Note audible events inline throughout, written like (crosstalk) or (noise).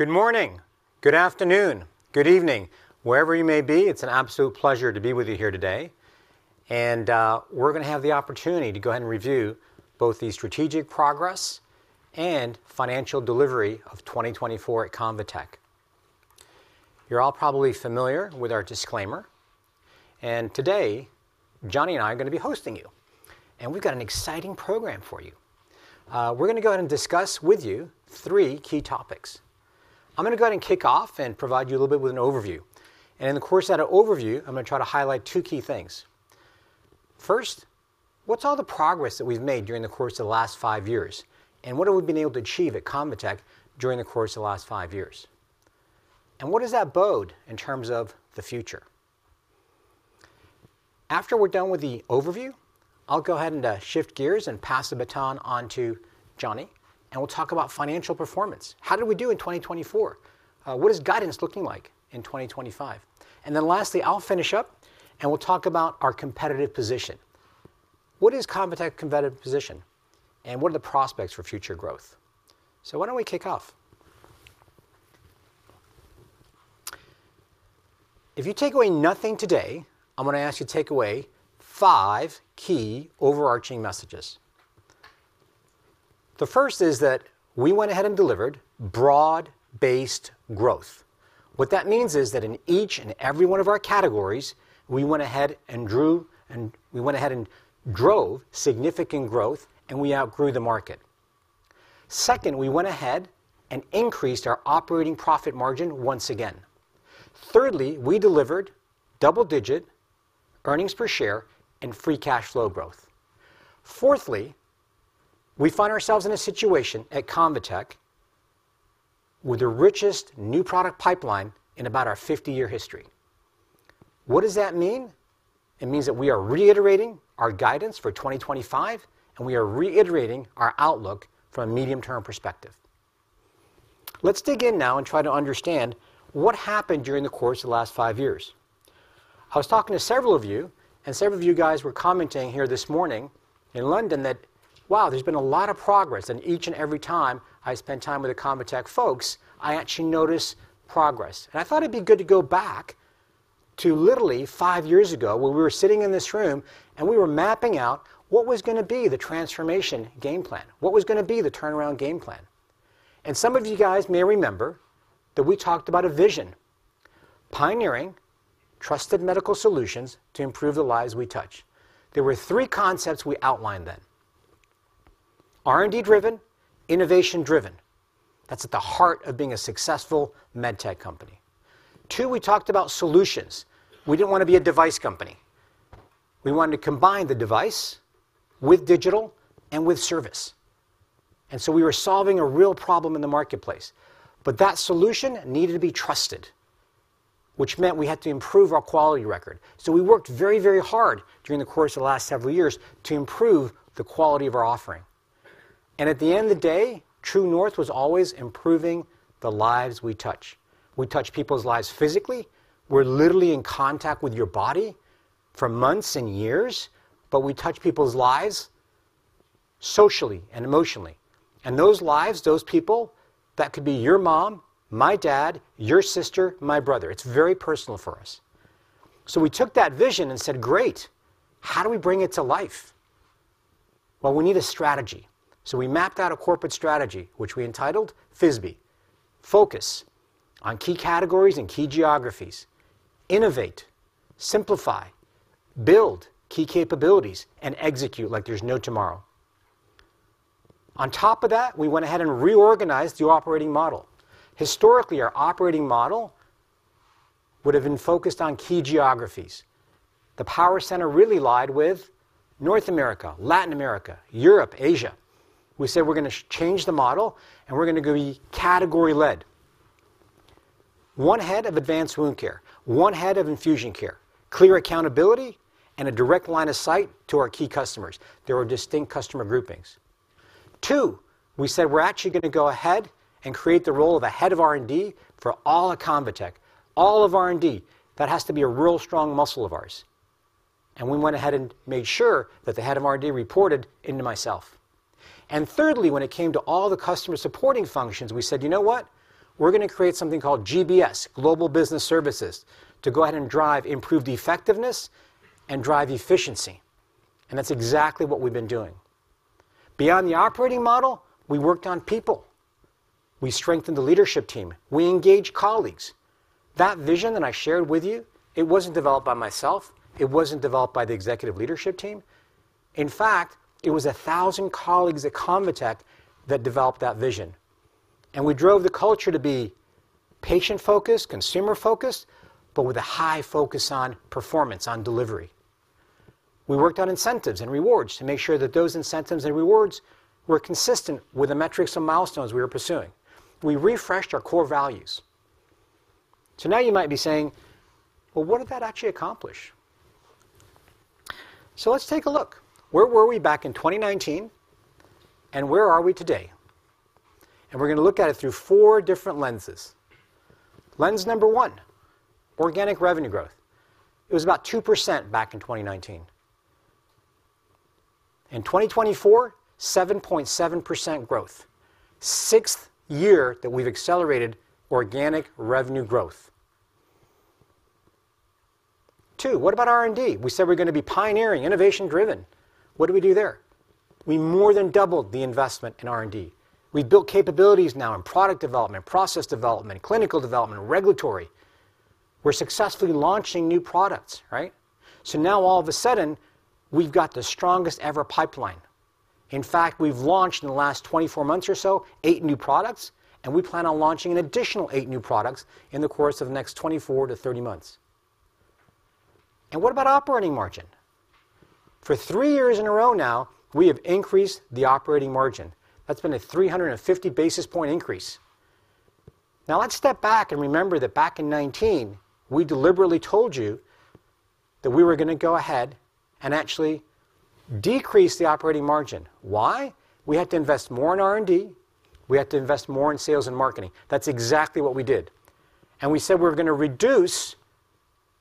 Good morning. Good afternoon. Good evening. Wherever you may be, it's an absolute pleasure to be with you here today. And we're going to have the opportunity to go ahead and review both the strategic progress and financial delivery of 2024 at Convatec. You're all probably familiar with our disclaimer. And today, Jonny and I are going to be hosting you. And we've got an exciting program for you. We're going to go ahead and discuss with you three key topics. I'm going to go ahead and kick off and provide you a little bit with an overview. And in the course of that overview, I'm going to try to highlight two key things. First, what's all the progress that we've made during the course of the last five years? And what have we been able to achieve at Convatec during the course of the last five years? What does that bode in terms of the future? After we're done with the overview, I'll go ahead and shift gears and pass the baton on to Jonny. We'll talk about financial performance. How did we do in 2024? What is guidance looking like in 2025? Then lastly, I'll finish up and we'll talk about our competitive position. What is Convatec's competitive position? What are the prospects for future growth? Why don't we kick off? If you take away nothing today, I'm going to ask you to take away five key overarching messages. The first is that we went ahead and delivered broad-based growth. What that means is that in each and every one of our categories, we went ahead and drove significant growth, and we outgrew the market. Second, we went ahead and increased our operating profit margin once again. Thirdly, we delivered double-digit earnings per share and free cash flow growth. Fourthly, we find ourselves in a situation at Convatec with the richest new product pipeline in about our 50-year history. What does that mean? It means that we are reiterating our guidance for 2025, and we are reiterating our outlook from a medium-term perspective. Let's dig in now and try to understand what happened during the course of the last five years. I was talking to several of you, and several of you guys were commenting here this morning in London that, wow, there's been a lot of progress. And each and every time I spend time with the Convatec folks, I actually notice progress. I thought it'd be good to go back to literally five years ago when we were sitting in this room and we were mapping out what was going to be the transformation game plan, what was going to be the turnaround game plan. Some of you guys may remember that we talked about a vision: pioneering trusted medical solutions to improve the lives we touch. There were three concepts we outlined then: R&D-driven, innovation-driven. That's at the heart of being a successful med tech company. Two, we talked about solutions. We didn't want to be a device company. We wanted to combine the device with digital and with service. And so we were solving a real problem in the marketplace. But that solution needed to be trusted, which meant we had to improve our quality record. So we worked very, very hard during the course of the last several years to improve the quality of our offering. And at the end of the day, True North was always improving the lives we touch. We touch people's lives physically. We're literally in contact with your body for months and years, but we touch people's lives socially and emotionally. And those lives, those people, that could be your mom, my dad, your sister, my brother. It's very personal for us. So we took that vision and said, "Great. How do we bring it to life?" Well, we need a strategy. So we mapped out a corporate strategy, which we entitled FISBE: focus on key categories and key geographies, innovate, simplify, build key capabilities, and execute like there's no tomorrow. On top of that, we went ahead and reorganized the operating model. Historically, our operating model would have been focused on key geographies. The power center really lay with North America, Latin America, Europe, Asia. We said, "We're going to change the model, and we're going to be category-led." One head of Advanced Wound Care, one head of Infusion Care, clear accountability, and a direct line of sight to our key customers. There were distinct customer groupings. Two, we said, "We're actually going to go ahead and create the role of a head of R&D for all of Convatec, all of R&D. That has to be a real strong muscle of ours." And we went ahead and made sure that the head of R&D reported into myself. And thirdly, when it came to all the customer supporting functions, we said, "You know what? We're going to create something called GBS, Global Business Services, to go ahead and drive improved effectiveness and drive efficiency." And that's exactly what we've been doing. Beyond the operating model, we worked on people. We strengthened the leadership team. We engaged colleagues. That vision that I shared with you, it wasn't developed by myself. It wasn't developed by the executive leadership team. In fact, it was 1,000 colleagues at Convatec that developed that vision. And we drove the culture to be patient-focused, consumer-focused, but with a high focus on performance, on delivery. We worked on incentives and rewards to make sure that those incentives and rewards were consistent with the metrics and milestones we were pursuing. We refreshed our core values. So now you might be saying, "Well, what did that actually accomplish?" So let's take a look. Where were we back in 2019, and where are we today? And we're going to look at it through four different lenses. Lens number one, organic revenue growth. It was about 2% back in 2019. In 2024, 7.7% growth. Sixth year that we've accelerated organic revenue growth. Two, what about R&D? We said we're going to be pioneering, innovation-driven. What did we do there? We more than doubled the investment in R&D. We've built capabilities now in product development, process development, clinical development, regulatory. We're successfully launching new products, right? So now all of a sudden, we've got the strongest-ever pipeline. In fact, we've launched in the last 24 months or so eight new products, and we plan on launching an additional eight new products in the course of the next 24 to 30 months. And what about operating margin? For three years in a row now, we have increased the operating margin. That's been a 350 basis point increase. Now let's step back and remember that back in 2019, we deliberately told you that we were going to go ahead and actually decrease the operating margin. Why? We had to invest more in R&D. We had to invest more in sales and marketing. That's exactly what we did, and we said we were going to reduce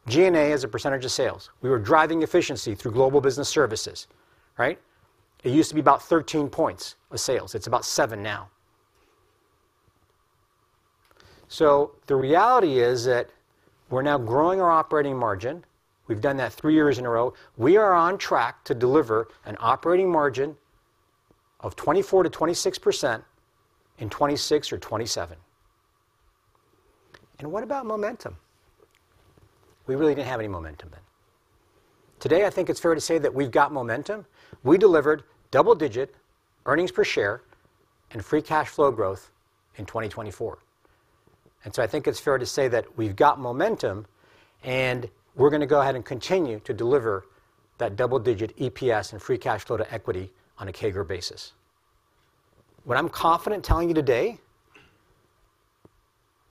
G&A as a percentage of sales. We were driving efficiency through global business services, right? It used to be about 13 points of sales. It's about seven now, so the reality is that we're now growing our operating margin. We've done that three years in a row. We are on track to deliver an operating margin of 24%-26% in 2026 or 2027, and what about momentum? We really didn't have any momentum then. Today, I think it's fair to say that we've got momentum. We delivered double-digit earnings per share and free cash flow growth in 2024, and so I think it's fair to say that we've got momentum, and we're going to go ahead and continue to deliver that double-digit EPS and free cash flow to equity on a CAGR basis. What I'm confident telling you today,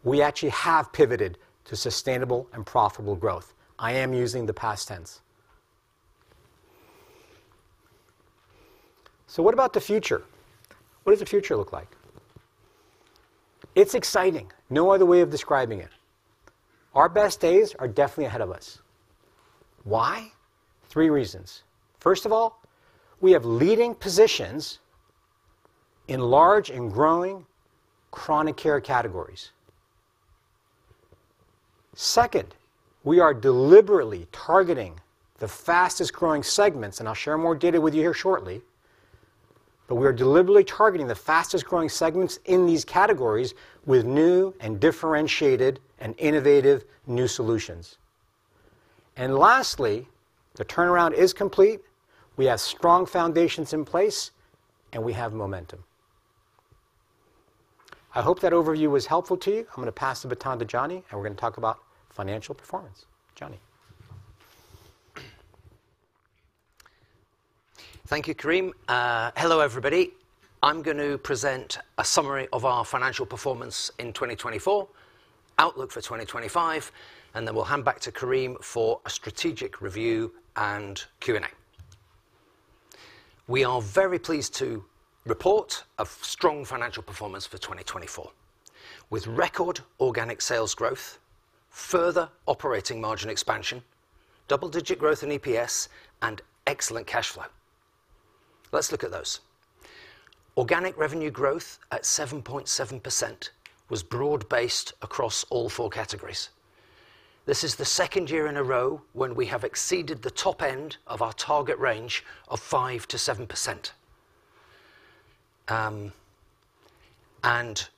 we actually have pivoted to sustainable and profitable growth. I am using the past tense, so what about the future? What does the future look like? It's exciting. No other way of describing it. Our best days are definitely ahead of us. Why? Three reasons. First of all, we have leading positions in large and growing chronic care categories. Second, we are deliberately targeting the fastest-growing segments, and I'll share more data with you here shortly, but we are deliberately targeting the fastest-growing segments in these categories with new and differentiated and innovative new solutions. Lastly, the turnaround is complete. We have strong foundations in place, and we have momentum. I hope that overview was helpful to you. I'm going to pass the baton to Jonny, and we're going to talk about financial performance. Jonny. Thank you, Karim. Hello, everybody. I'm going to present a summary of our financial performance in 2024, outlook for 2025, and then we'll hand back to Karim for a strategic review and Q&A. We are very pleased to report a strong financial performance for 2024, with record organic sales growth, further operating margin expansion, double-digit growth in EPS, and excellent cash flow. Let's look at those. Organic revenue growth at 7.7% was broad-based across all four categories. This is the second year in a row when we have exceeded the top end of our target range of 5%-7%. And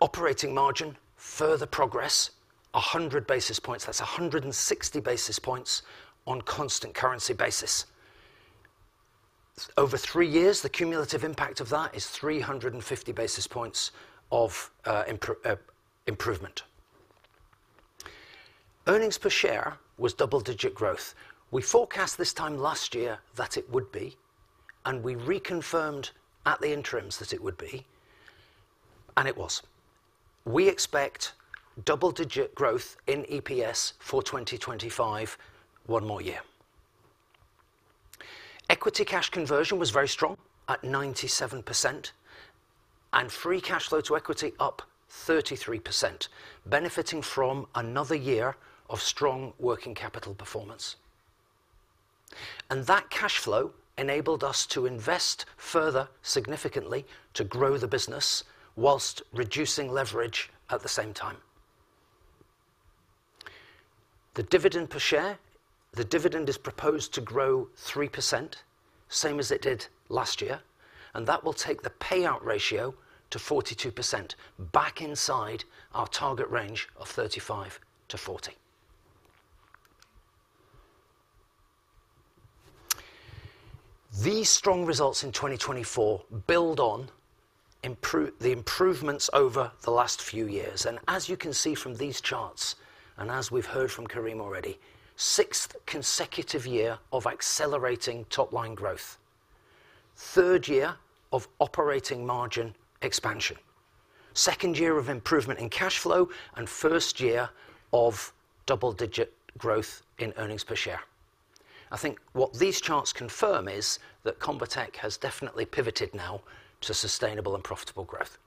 operating margin, further progress, 100 basis points. That's 160 basis points on a constant currency basis. Over three years, the cumulative impact of that is 350 basis points of improvement. Earnings per share was double-digit growth. We forecast this time last year that it would be, and we reconfirmed at the interims that it would be, and it was. We expect double-digit growth in EPS for 2025 one more year. Equity cash conversion was very strong at 97%, and free cash flow to equity up 33%, benefiting from another year of strong working capital performance. And that cash flow enabled us to invest further significantly to grow the business whilst reducing leverage at the same time. The dividend per share, the dividend is proposed to grow 3%, same as it did last year, and that will take the payout ratio to 42% back inside our target range of 35%-40%. These strong results in 2024 build on the improvements over the last few years. And as you can see from these charts, and as we've heard from Karim already, sixth consecutive year of accelerating top-line growth, third year of operating margin expansion, second year of improvement in cash flow, and first year of double-digit growth in earnings per share. I think what these charts confirm is that Convatec has definitely pivoted now to sustainable and profitable growth.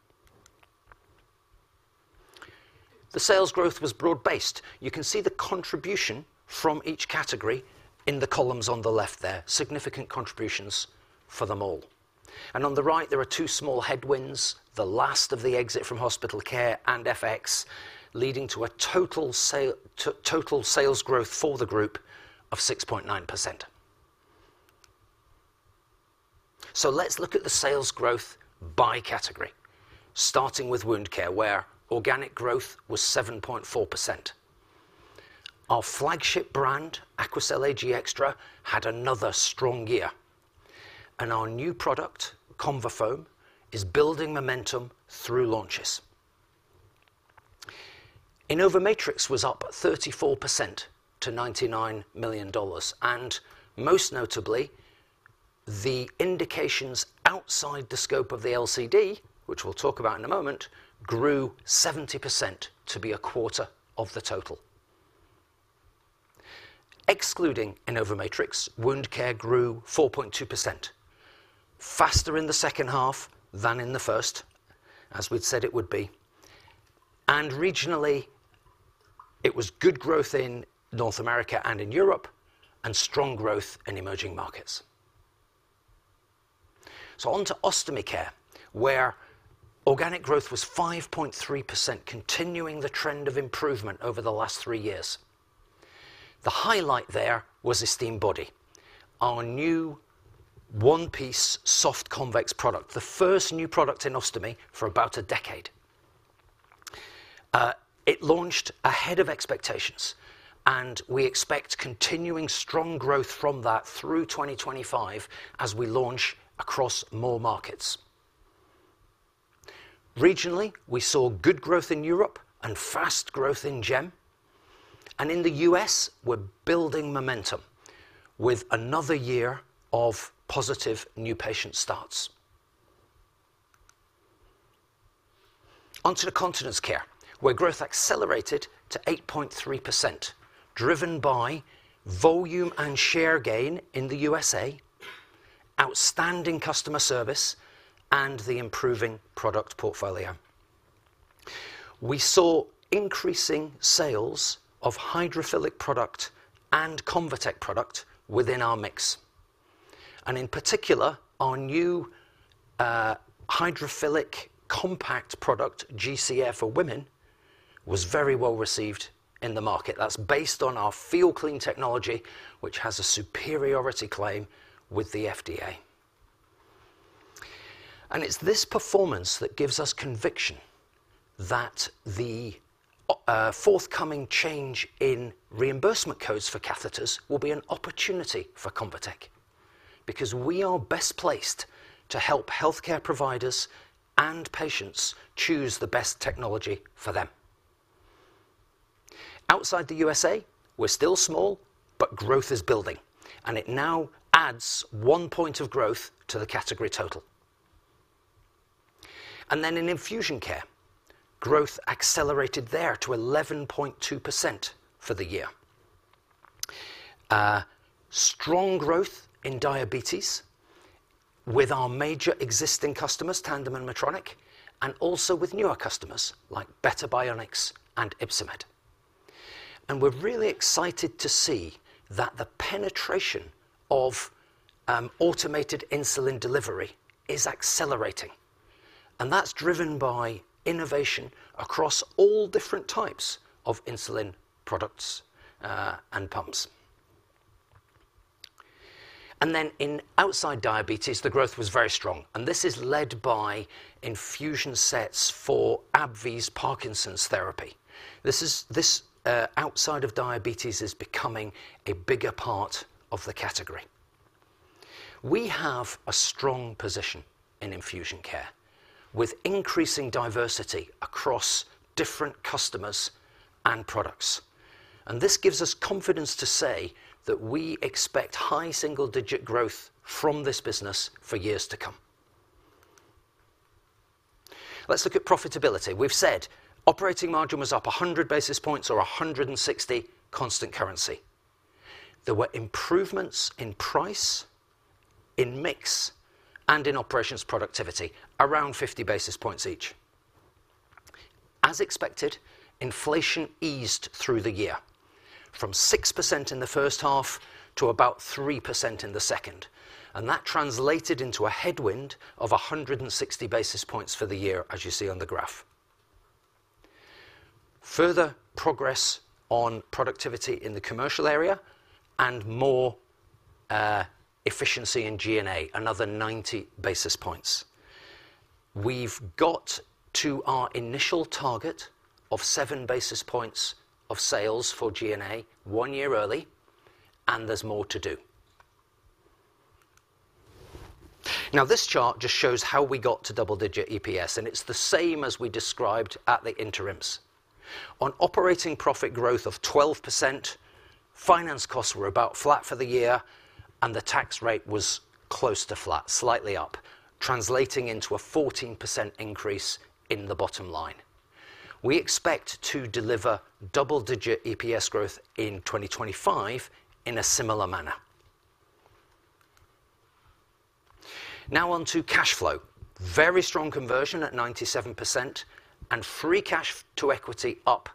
The sales growth was broad-based. You can see the contribution from each category in the columns on the left there, significant contributions for them all. And on the right, there are two small headwinds, the last of the exit from hospital care and FX, leading to a total sales growth for the group of 6.9%. So let's look at the sales growth by category, starting with wound care, where organic growth was 7.4%. Our flagship brand, Aquacel Ag Extra, had another strong year, and our new product, ConvaFoam, is building momentum through launches. InnovaMatrix was up 34% to $99 million. And most notably, the indications outside the scope of the LCD, which we'll talk about in a moment, grew 70% to be a quarter of the total. Excluding InnovaMatrix, wound care grew 4.2%, faster in the second half than in the first, as we'd said it would be. And regionally, it was good growth in North America and in Europe and strong growth in emerging markets. So on to Ostomy Care, where organic growth was 5.3%, continuing the trend of improvement over the last three years. The highlight there was Esteem Body, our new one-piece soft convex product, the first new product in ostomy for about a decade. It launched ahead of expectations, and we expect continuing strong growth from that through 2025 as we launch across more markets. Regionally, we saw good growth in Europe and fast growth in EM. And in the US, we're building momentum with another year of positive new patient starts. Onto the Continence Care, where growth accelerated to 8.3%, driven by volume and share gain in the USA, outstanding customer service, and the improving product portfolio. We saw increasing sales of hydrophilic product and Convatec product within our mix. And in particular, our new hydrophilic compact product, GC Air for Women, was very well received in the market. That's based on our FeelClean Technology, which has a superiority claim with the FDA. It's this performance that gives us conviction that the forthcoming change in reimbursement codes for catheters will be an opportunity for Convatec because we are best placed to help healthcare providers and patients choose the best technology for them. Outside the USA, we're still small, but growth is building, and it now adds one point of growth to the category total. In Infusion Care, growth accelerated there to 11.2% for the year. Strong growth in diabetes with our major existing customers, Tandem and Medtronic, and also with newer customers like Beta Bionics and Ypsomed. We're really excited to see that the penetration of automated insulin delivery is accelerating. That's driven by innovation across all different types of insulin products and pumps. In outside diabetes, the growth was very strong. This is led by infusion sets for AbbVie's Parkinson's therapy. This outside of diabetes is becoming a bigger part of the category. We have a strong position in Infusion Care with increasing diversity across different customers and products. This gives us confidence to say that we expect high single-digit growth from this business for years to come. Let's look at profitability. We've said operating margin was up 100 basis points or 160 constant currency. There were improvements in price, in mix, and in operations productivity, around 50 basis points each. As expected, inflation eased through the year from 6% in the first half to about 3% in the second. That translated into a headwind of 160 basis points for the year, as you see on the graph. Further progress on productivity in the commercial area and more efficiency in G&A, another 90 basis points. We've got to our initial target of seven basis points of sales for G&A one year early, and there's more to do. Now, this chart just shows how we got to double-digit EPS, and it's the same as we described at the interims. On operating profit growth of 12%, finance costs were about flat for the year, and the tax rate was close to flat, slightly up, translating into a 14% increase in the bottom line. We expect to deliver double-digit EPS growth in 2025 in a similar manner. Now on to cash flow. Very strong conversion at 97% and free cash to equity up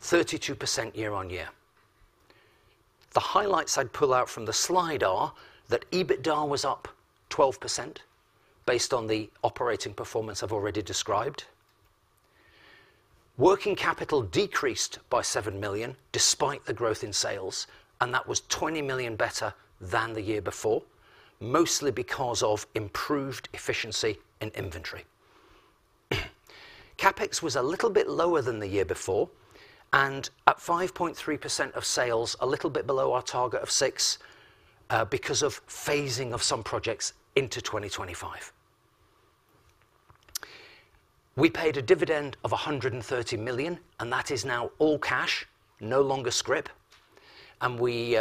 32% year on year. The highlights I'd pull out from the slide are that EBITDA was up 12% based on the operating performance I've already described. Working capital decreased by $7 million despite the growth in sales, and that was $20 million better than the year before, mostly because of improved efficiency in inventory. CapEx was a little bit lower than the year before and at 5.3% of sales, a little bit below our target of 6% because of phasing of some projects into 2025. We paid a dividend of $130 million, and that is now all cash, no longer scrip, and we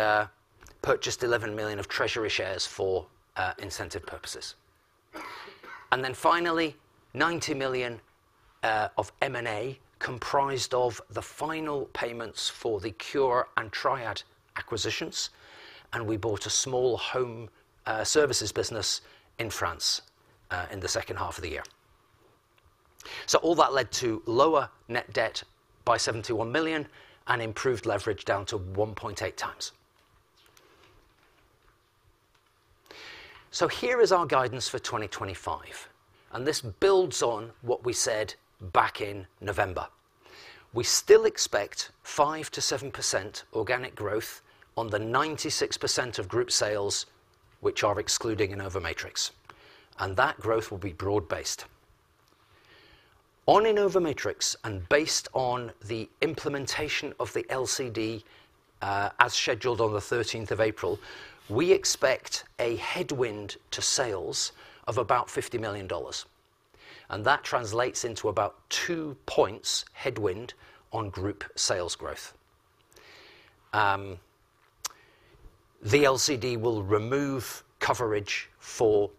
purchased $11 million of treasury shares for incentive purposes, and then finally, $90 million of M&A comprised of the final payments for the Cure and Triad acquisitions, and we bought a small home services business in France in the second half of the year, so all that led to lower net debt by $71 million and improved leverage down to 1.8 times. Here is our guidance for 2025, and this builds on what we said back in November. We still expect 5%-7% organic growth on the 96% of group sales, which are excluding InnovaMatrix, and that growth will be broad-based. On InnovaMatrix and based on the implementation of the LCD as scheduled on the 13th of April, we expect a headwind to sales of about $50 million, and that translates into about 2 points headwind on group sales growth. The LCD will remove coverage for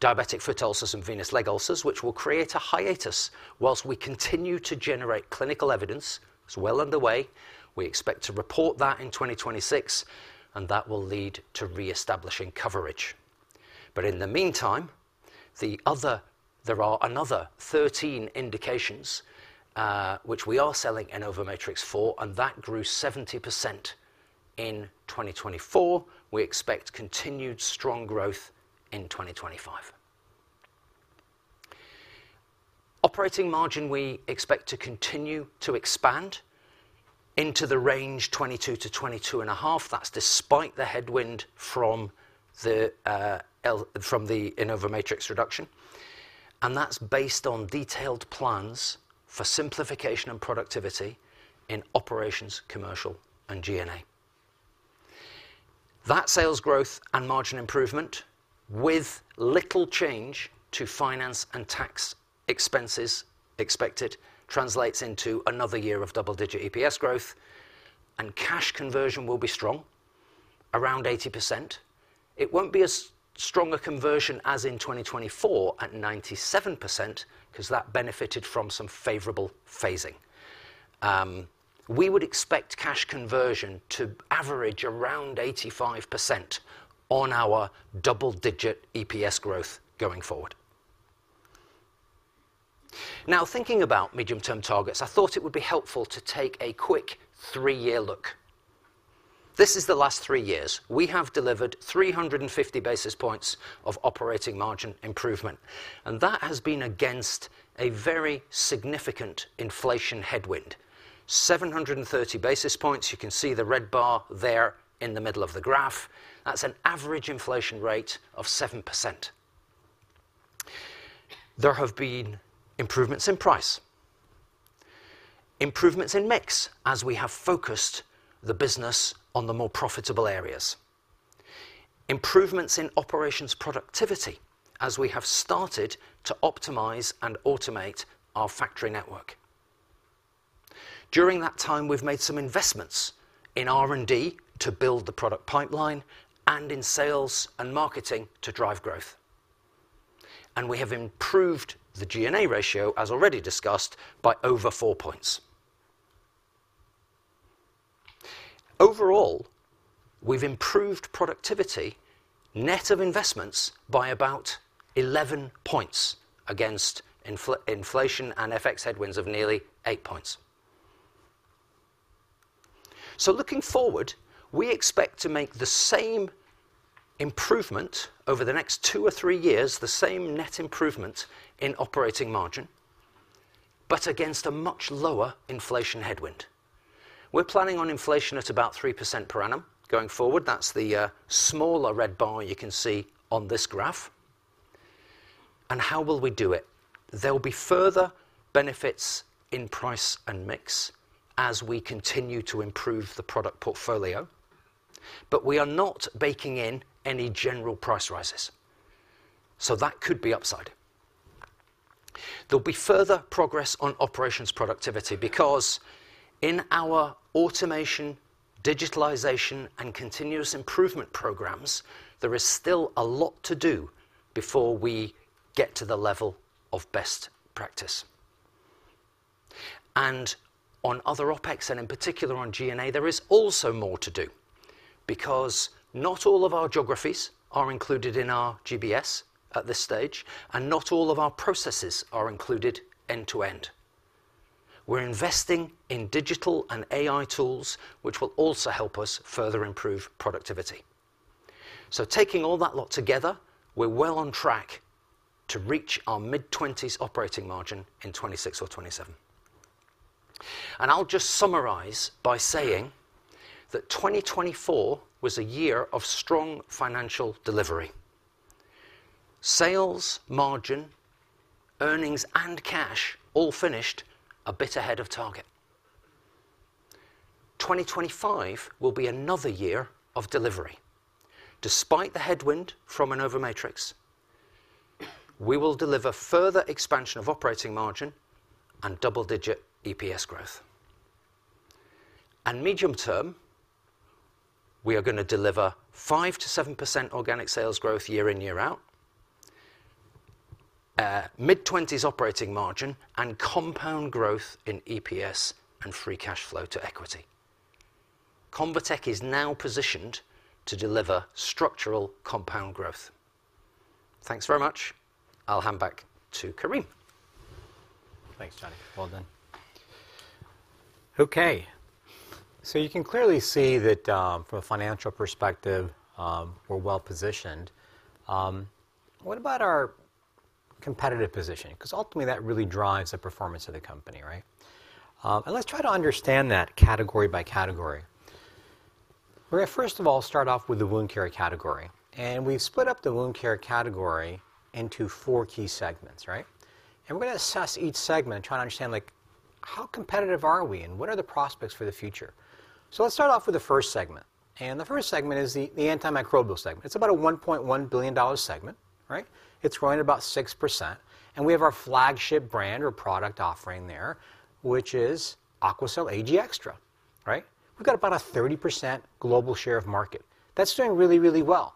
diabetic foot ulcers and venous leg ulcers, which will create a hiatus while we continue to generate clinical evidence. It's well underway. We expect to report that in 2026, and that will lead to reestablishing coverage. But in the meantime, there are another 13 indications which we are selling InnovaMatrix for, and that grew 70% in 2024. We expect continued strong growth in 2025. Operating margin, we expect to continue to expand into the range 22%-22.5%. That's despite the headwind from the InnovaMatrix reduction, and that's based on detailed plans for simplification and productivity in operations, commercial, and G&A. That sales growth and margin improvement, with little change to finance and tax expenses expected, translates into another year of double-digit EPS growth, and cash conversion will be strong, around 80%. It won't be as strong a conversion as in 2024 at 97% because that benefited from some favorable phasing. We would expect cash conversion to average around 85% on our double-digit EPS growth going forward. Now, thinking about medium-term targets, I thought it would be helpful to take a quick three-year look. This is the last three years. We have delivered 350 basis points of operating margin improvement, and that has been against a very significant inflation headwind. 730 basis points, you can see the red bar there in the middle of the graph. That's an average inflation rate of 7%. There have been improvements in price, improvements in mix as we have focused the business on the more profitable areas, improvements in operations productivity as we have started to optimize and automate our factory network. During that time, we've made some investments in R&D to build the product pipeline and in sales and marketing to drive growth. And we have improved the G&A ratio, as already discussed, by over 4 points. Overall, we've improved productivity net of investments by about 11 points against inflation and FX headwinds of nearly 8 points. So looking forward, we expect to make the same improvement over the next two or three years, the same net improvement in operating margin, but against a much lower inflation headwind. We're planning on inflation at about 3% per annum going forward. That's the smaller red bar you can see on this graph. And how will we do it? There'll be further benefits in price and mix as we continue to improve the product portfolio, but we are not baking in any general price rises, so that could be upside. There'll be further progress on operations productivity because in our automation, digitalization, and continuous improvement programs, there is still a lot to do before we get to the level of best practice. And on other OPEX, and in particular on G&A, there is also more to do because not all of our geographies are included in our GBS at this stage, and not all of our processes are included end-to-end. We're investing in digital and AI tools, which will also help us further improve productivity. Taking all that lot together, we're well on track to reach our mid-20s operating margin in 2026 or 2027. I'll just summarize by saying that 2024 was a year of strong financial delivery. Sales, margin, earnings, and cash all finished a bit ahead of target. 2025 will be another year of delivery. Despite the headwind from InnovaMatrix, we will deliver further expansion of operating margin and double-digit EPS growth. Medium term, we are going to deliver 5%-7% organic sales growth year in, year out, mid-20s operating margin, and compound growth in EPS and free cash flow to equity. Convatec is now positioned to deliver structural compound growth. Thanks very much. I'll hand back to Karim. Thanks, Jonny. Well done. Okay. You can clearly see that from a financial perspective, we're well positioned. What about our competitive position? Because ultimately, that really drives the performance of the company, right? And let's try to understand that category by category. We're going to, first of all, start off with the wound care category. And we've split up the wound care category into four key segments, right? And we're going to assess each segment and try to understand how competitive are we and what are the prospects for the future. So let's start off with the first segment. And the first segment is the antimicrobial segment. It's about a $1.1 billion segment, right? It's growing at about 6%. And we have our flagship brand or product offering there, which is Aquacel Ag Extra, right? We've got about a 30% global share of market. That's doing really, really well.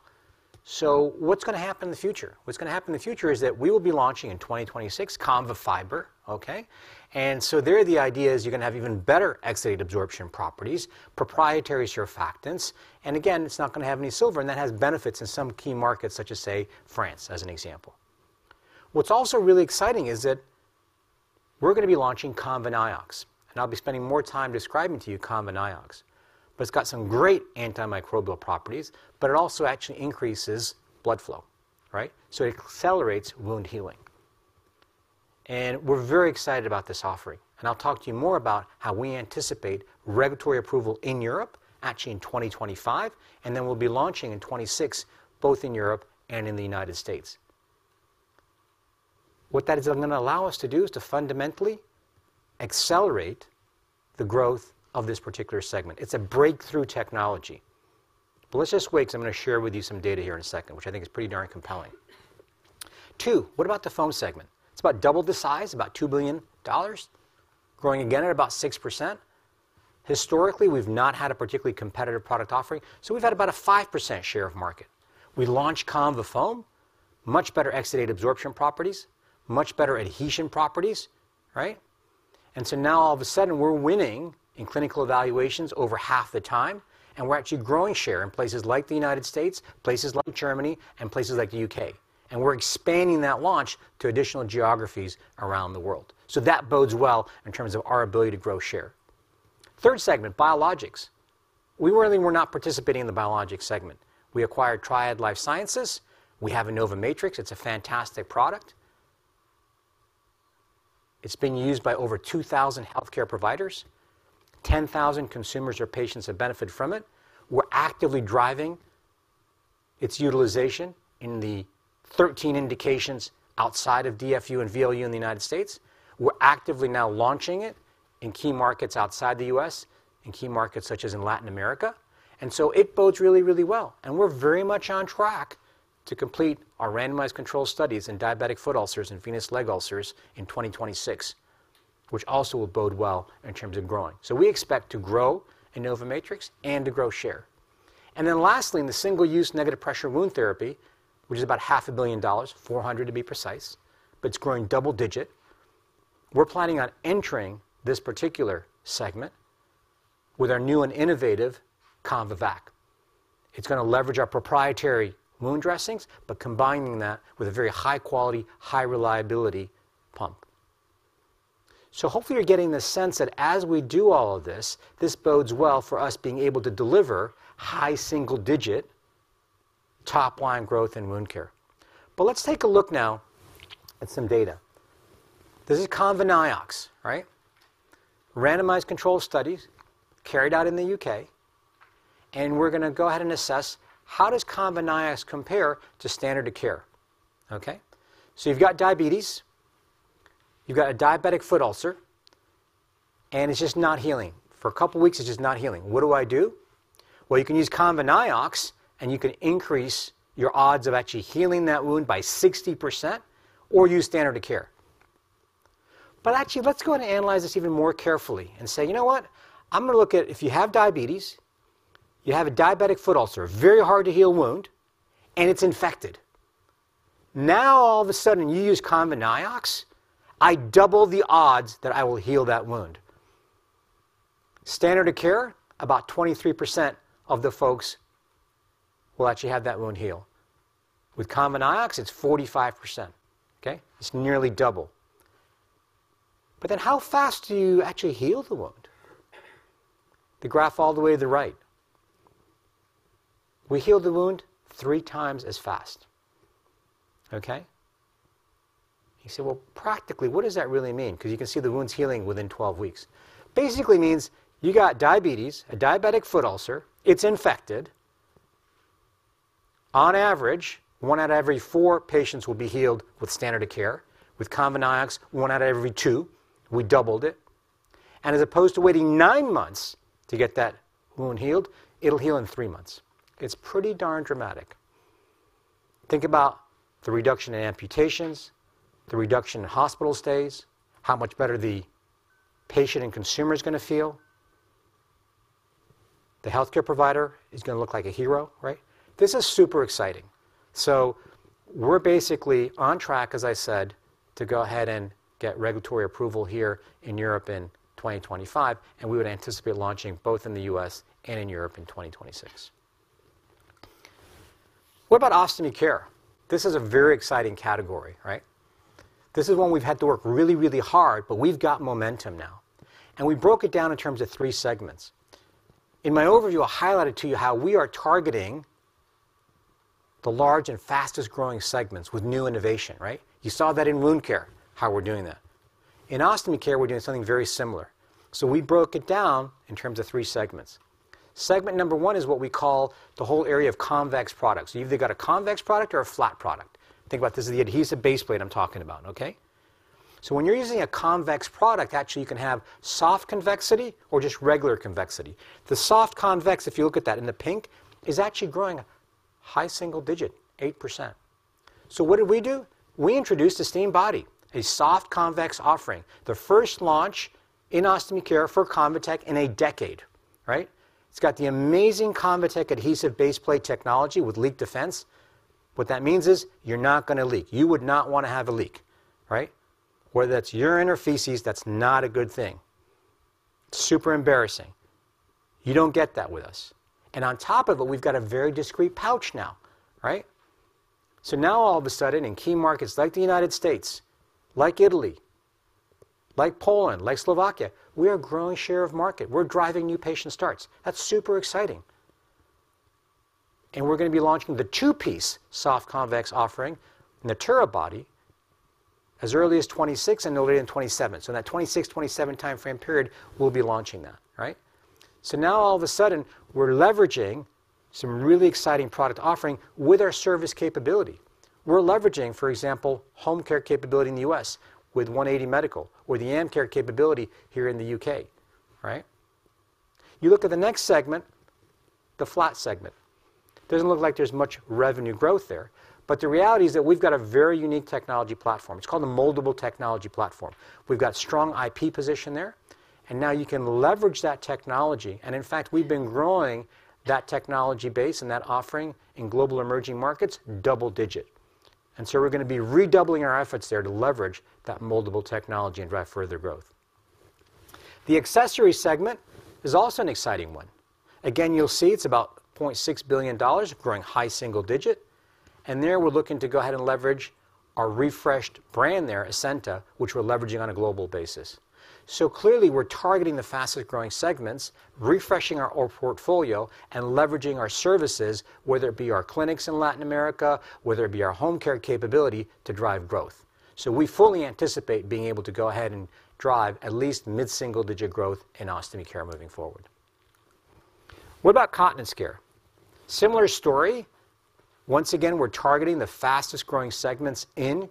So what's going to happen in the future? What's going to happen in the future is that we will be launching in 2026 ConvaFiber, okay? And so there the idea is you're going to have even better exudate absorption properties, proprietary surfactants, and again, it's not going to have any silver, and that has benefits in some key markets, such as, say, France, as an example. What's also really exciting is that we're going to be launching ConvaNiox, and I'll be spending more time describing to you ConvaNiox, but it's got some great antimicrobial properties, but it also actually increases blood flow, right? So it accelerates wound healing. And we're very excited about this offering. And I'll talk to you more about how we anticipate regulatory approval in Europe, actually in 2025, and then we'll be launching in 2026, both in Europe and in the United States. What that is going to allow us to do is to fundamentally accelerate the growth of this particular segment. It's a breakthrough technology. But let's just wait because I'm going to share with you some data here in a second, which I think is pretty darn compelling. Two, what about the foam segment? It's about double the size, about $2 billion, growing again at about 6%. Historically, we've not had a particularly competitive product offering, so we've had about a 5% share of market. We launched ConvaFoam, much better exudate absorption properties, much better adhesion properties, right? And so now, all of a sudden, we're winning in clinical evaluations over half the time, and we're actually growing share in places like the United States, places like Germany, and places like the U.K. And we're expanding that launch to additional geographies around the world. So that bodes well in terms of our ability to grow share. Third segment, biologics. We really were not participating in the biologics segment. We acquired Triad Life Sciences. We have InnovaMatrix. It's a fantastic product. It's been used by over 2,000 healthcare providers. 10,000 consumers or patients have benefited from it. We're actively driving its utilization in the 13 indications outside of DFU and VLU in the United States. We're actively now launching it in key markets outside the U.S., in key markets such as in Latin America. And so it bodes really, really well. And we're very much on track to complete our randomized controlled studies in diabetic foot ulcers and venous leg ulcers in 2026, which also will bode well in terms of growing. So we expect to grow InnovaMatrix and to grow share. Then lastly, in the single-use negative pressure wound therapy, which is about $500 million, $400 million to be precise, but it's growing double-digit. We're planning on entering this particular segment with our new and innovative ConvaVac. It's going to leverage our proprietary wound dressings, but combining that with a very high-quality, high-reliability pump. So hopefully, you're getting the sense that as we do all of this, this bodes well for us being able to deliver high single-digit top-line growth in wound care. But let's take a look now at some data. This is ConvaNiox, right? Randomized controlled studies carried out in the U.K., and we're going to go ahead and assess how does ConvaNiox compare to standard of care, okay? So you've got diabetes, you've got a diabetic foot ulcer, and it's just not healing. For a couple of weeks, it's just not healing. What do I do? You can use ConvaNiox, and you can increase your odds of actually healing that wound by 60% or use standard of care. But actually, let's go ahead and analyze this even more carefully and say, you know what? I'm going to look at if you have diabetes, you have a diabetic foot ulcer, very hard to heal wound, and it's infected. Now, all of a sudden, you use ConvaNiox, I double the odds that I will heal that wound. Standard of care, about 23% of the folks will actually have that wound heal. With ConvaNiox, it's 45%, okay? It's nearly double. But then how fast do you actually heal the wound? The graph all the way to the right. We heal the wound three times as fast, okay? You say, well, practically, what does that really mean? Because you can see the wound's healing within 12 weeks. Basically means you got diabetes, a diabetic foot ulcer, it's infected. On average, one out of every four patients will be healed with standard of care. With ConvaNiox, one out of every two, we doubled it. And as opposed to waiting nine months to get that wound healed, it'll heal in three months. It's pretty darn dramatic. Think about the reduction in amputations, the reduction in hospital stays, how much better the patient and consumer is going to feel. The healthcare provider is going to look like a hero, right? This is super exciting. So we're basically on track, as I said, to go ahead and get regulatory approval here in Europe in 2025, and we would anticipate launching both in the U.S. and in Europe in 2026. What about Ostomy Care? This is a very exciting category, right? This is one we've had to work really, really hard, but we've got momentum now. And we broke it down in terms of three segments. In my overview, I highlighted to you how we are targeting the large and fastest-growing segments with new innovation, right? You saw that in wound care, how we're doing that. In Ostomy Care, we're doing something very similar. So we broke it down in terms of three segments. Segment number one is what we call the whole area of convex products. You've either got a convex product or a flat product. Think about this as the adhesive base plate I'm talking about, okay? So when you're using a convex product, actually, you can have soft convexity or just regular convexity. The soft convex, if you look at that in the pink, is actually growing high single-digit, 8%. So what did we do? We introduced an Esteem Body, a soft convex offering, the first launch in Ostomy Care for Convatec in a decade, right? It's got the amazing Convatec adhesive base plate technology with leak defense. What that means is you're not going to leak. You would not want to have a leak, right? Whether that's urine or feces, that's not a good thing. It's super embarrassing. You don't get that with us. And on top of it, we've got a very discreet pouch now, right? So now, all of a sudden, in key markets like the United States, like Italy, like Poland, like Slovakia, we are growing share of market. We're driving new patient starts. That's super exciting. And we're going to be launching the two-piece soft convex offering, Natura Body, as early as 2026 and no later than 2027. So in that 2026, 2027 timeframe period, we'll be launching that, right? So now, all of a sudden, we're leveraging some really exciting product offering with our service capability. We're leveraging, for example, home care capability in the U.S. with 180 Medical or the Amcare capability here in the U.K., right? You look at the next segment, the flat segment. Doesn't look like there's much revenue growth there, but the reality is that we've got a very unique technology platform. It's called the Moldable Technology platform. We've got strong IP position there, and now you can leverage that technology. And in fact, we've been growing that technology base and that offering in global emerging markets double-digit. And so we're going to be redoubling our efforts there to leverage that Moldable Technology and drive further growth. The accessory segment is also an exciting one. Again, you'll see it's about $0.6 billion, growing high single-digit. There we're looking to go ahead and leverage our refreshed brand there, Esenta, which we're leveraging on a global basis. Clearly, we're targeting the fastest-growing segments, refreshing our portfolio, and leveraging our services, whether it be our clinics in Latin America, whether it be our home care capability to drive growth. We fully anticipate being able to go ahead and drive at least mid-single-digit growth in Ostomy Care moving forward. What about Continence Care? Similar story. Once again, we're targeting the fastest-growing segments in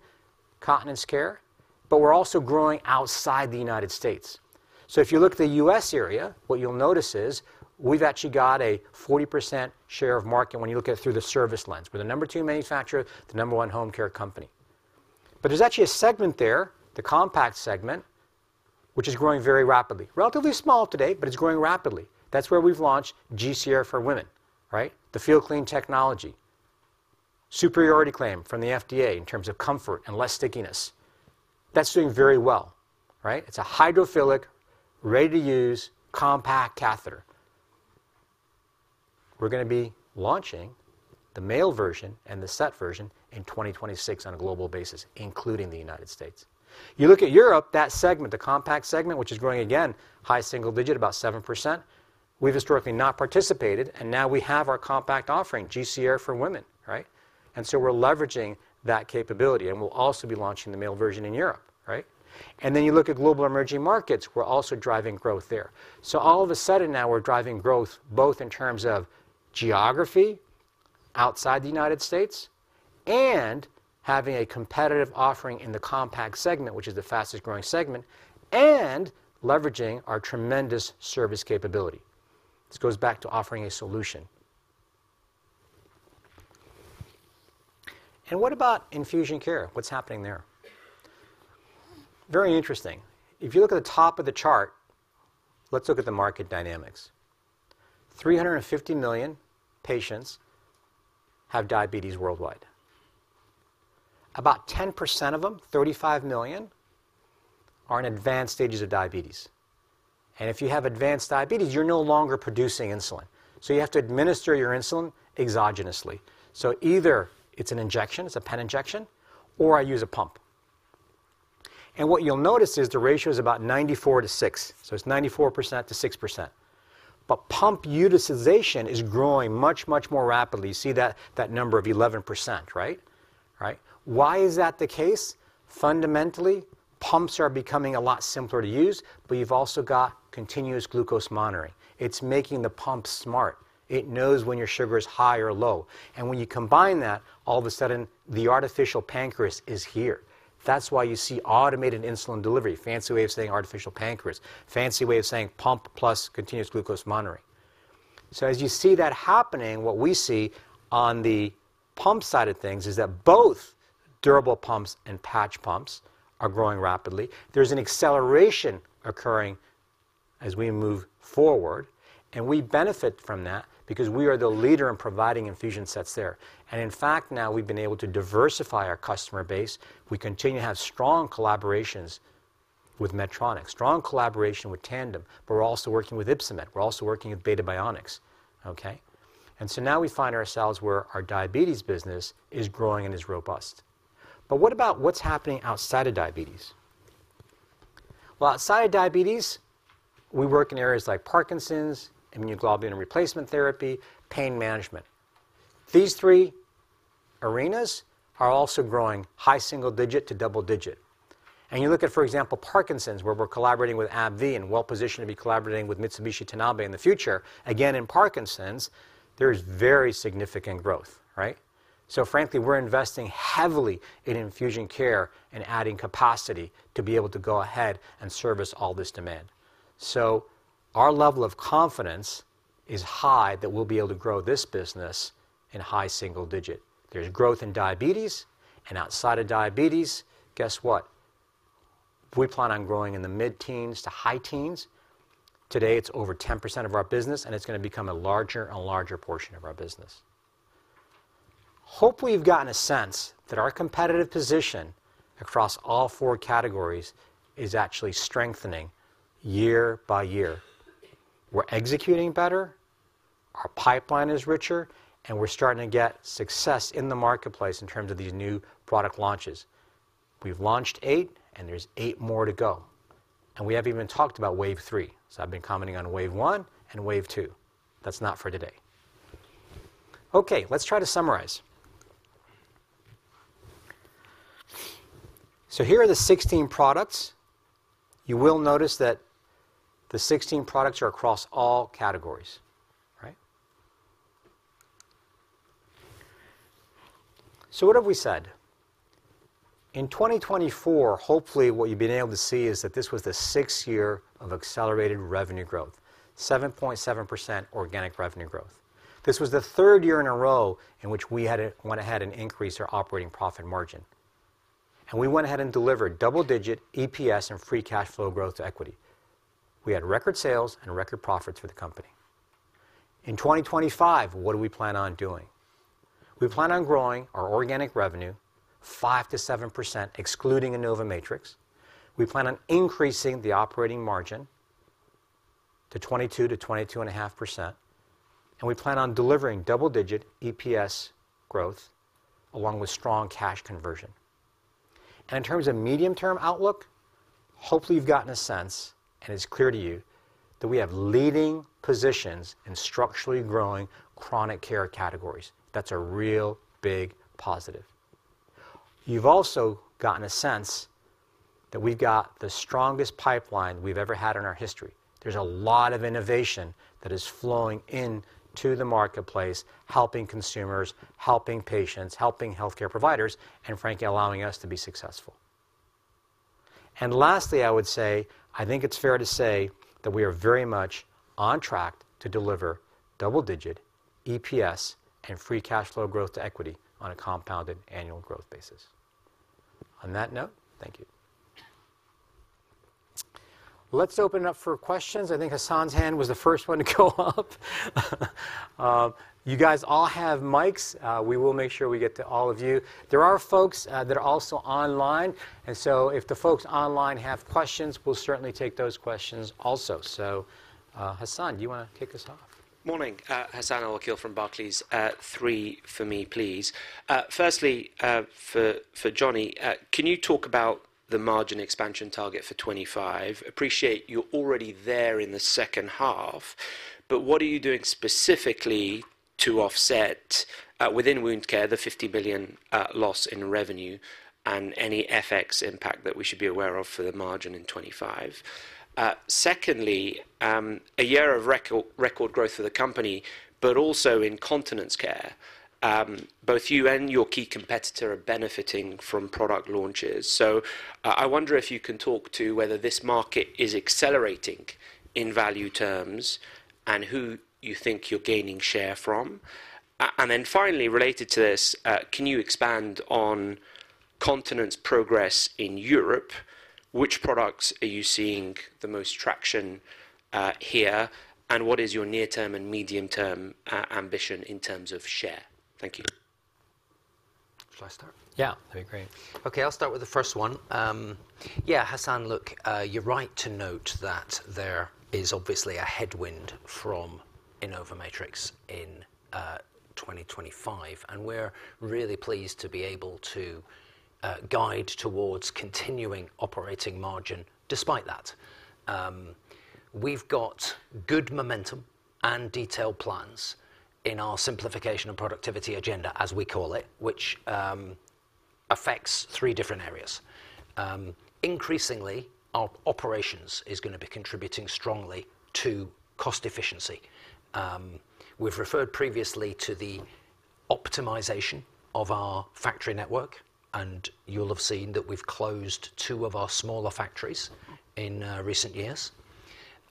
Continence Care, but we're also growing outside the United States. If you look at the US area, what you'll notice is we've actually got a 40% share of market when you look at it through the service lens. We're the number two manufacturer, the number one home care company. But there's actually a segment there, the compact segment, which is growing very rapidly. Relatively small today, but it's growing rapidly. That's where we've launched GC Air for women, right? The FeelClean Technology, superiority claim from the FDA in terms of comfort and less stickiness. That's doing very well, right? It's a hydrophilic, ready-to-use compact catheter. We're going to be launching the male version and the set version in 2026 on a global basis, including the United States. You look at Europe, that segment, the compact segment, which is growing again, high single-digit, about 7%. We've historically not participated, and now we have our compact offering, GC Air for women, right? And so we're leveraging that capability, and we'll also be launching the male version in Europe, right? And then you look at global emerging markets, we're also driving growth there. So all of a sudden now, we're driving growth both in terms of geography outside the United States and having a competitive offering in the compact segment, which is the fastest-growing segment, and leveraging our tremendous service capability. This goes back to offering a solution. And what about Infusion Care? What's happening there? Very interesting. If you look at the top of the chart, let's look at the market dynamics. 350 million patients have diabetes worldwide. About 10% of them, 35 million, are in advanced stages of diabetes. And if you have advanced diabetes, you're no longer producing insulin. So you have to administer your insulin exogenously. So either it's an injection, it's a pen injection, or I use a pump. And what you'll notice is the ratio is about 94 to 6. So it's 94% to 6%. But pump utilization is growing much, much more rapidly. You see that number of 11%, right? Right? Why is that the case? Fundamentally, pumps are becoming a lot simpler to use, but you've also got continuous glucose monitoring. It's making the pump smart. It knows when your sugar is high or low. And when you combine that, all of a sudden, the artificial pancreas is here. That's why you see automated insulin delivery, fancy way of saying artificial pancreas, fancy way of saying pump plus continuous glucose monitoring. So as you see that happening, what we see on the pump side of things is that both durable pumps and patch pumps are growing rapidly. There's an acceleration occurring as we move forward, and we benefit from that because we are the leader in providing infusion sets there. And in fact, now we've been able to diversify our customer base. We continue to have strong collaborations with Medtronic, strong collaboration with Tandem, but we're also working with Ypsomed. We're also working with Beta Bionics, okay? Now we find ourselves where our diabetes business is growing and is robust. What about what's happening outside of diabetes? Outside of diabetes, we work in areas like Parkinson's, immunoglobulin replacement therapy, pain management. These three arenas are also growing high single-digit to double-digit. You look at, for example, Parkinson's, where we're collaborating with AbbVie and well-positioned to be collaborating with Mitsubishi Tanabe in the future. In Parkinson's, there is very significant growth, right? Frankly, we're investing heavily in Infusion Care and adding capacity to be able to go ahead and service all this demand. Our level of confidence is high that we'll be able to grow this business in high single-digit. There's growth in diabetes, and outside of diabetes, guess what? We plan on growing in the mid-teens to high teens. Today, it's over 10% of our business, and it's going to become a larger and larger portion of our business. Hopefully, you've gotten a sense that our competitive position across all four categories is actually strengthening year by year. We're executing better, our pipeline is richer, and we're starting to get success in the marketplace in terms of these new product launches. We've launched eight, and there's eight more to go. And we haven't even talked about wave three. So I've been commenting on wave one and wave two. That's not for today. Okay, let's try to summarize. So here are the 16 products. You will notice that the 16 products are across all categories, right? So what have we said? In 2024, hopefully, what you've been able to see is that this was the sixth year of accelerated revenue growth, 7.7% organic revenue growth. This was the third year in a row in which we had went ahead and increased our operating profit margin. We went ahead and delivered double-digit EPS and free cash flow growth to equity. We had record sales and record profits for the company. In 2025, what do we plan on doing? We plan on growing our organic revenue 5%-7%, excluding InnovaMatrix. We plan on increasing the operating margin to 22%-22.5%. We plan on delivering double-digit EPS growth along with strong cash conversion. In terms of medium-term outlook, hopefully, you've gotten a sense and it's clear to you that we have leading positions in structurally growing chronic care categories. That's a real big positive. You've also gotten a sense that we've got the strongest pipeline we've ever had in our history. There's a lot of innovation that is flowing into the marketplace, helping consumers, helping patients, helping healthcare providers, and frankly, allowing us to be successful. And lastly, I would say, I think it's fair to say that we are very much on track to deliver double-digit EPS and free cash flow growth to equity on a compounded annual growth basis. On that note, thank you. Let's open it up for questions. I think Hassan's hand was the first one to go up. You guys all have mics. We will make sure we get to all of you. There are folks that are also online. And so if the folks online have questions, we'll certainly take those questions also. So Hassan, do you want to kick us off? Morning, Hassan Al-Wakeel from Barclays. Three for me, please. Firstly, for Jonny, can you talk about the margin expansion target for 2025? Appreciate you're already there in the second half, but what are you doing specifically to offset within wound care the $50 million loss in revenue and any FX impact that we should be aware of for the margin in 2025? Secondly, a year of record growth for the company, but also in Continence Care. Both you and your key competitor are benefiting from product launches. So I wonder if you can talk to whether this market is accelerating in value terms and who you think you're gaining share from. And then finally, related to this, can you expand on continence progress in Europe? Which products are you seeing the most traction here, and what is your near-term and medium-term ambition in terms of share? Thank you. Shall I start? Yeah, that'd be great. Okay, I'll start with the first one. Yeah, Hassan, look, you're right to note that there is obviously a headwind from InnovaMatrix in 2025, and we're really pleased to be able to guide towards continuing operating margin despite that. We've got good momentum and detailed plans in our simplification and productivity agenda, as we call it, which affects three different areas. Increasingly, our operations is going to be contributing strongly to cost efficiency. We've referred previously to the optimization of our factory network, and you'll have seen that we've closed two of our smaller factories in recent years.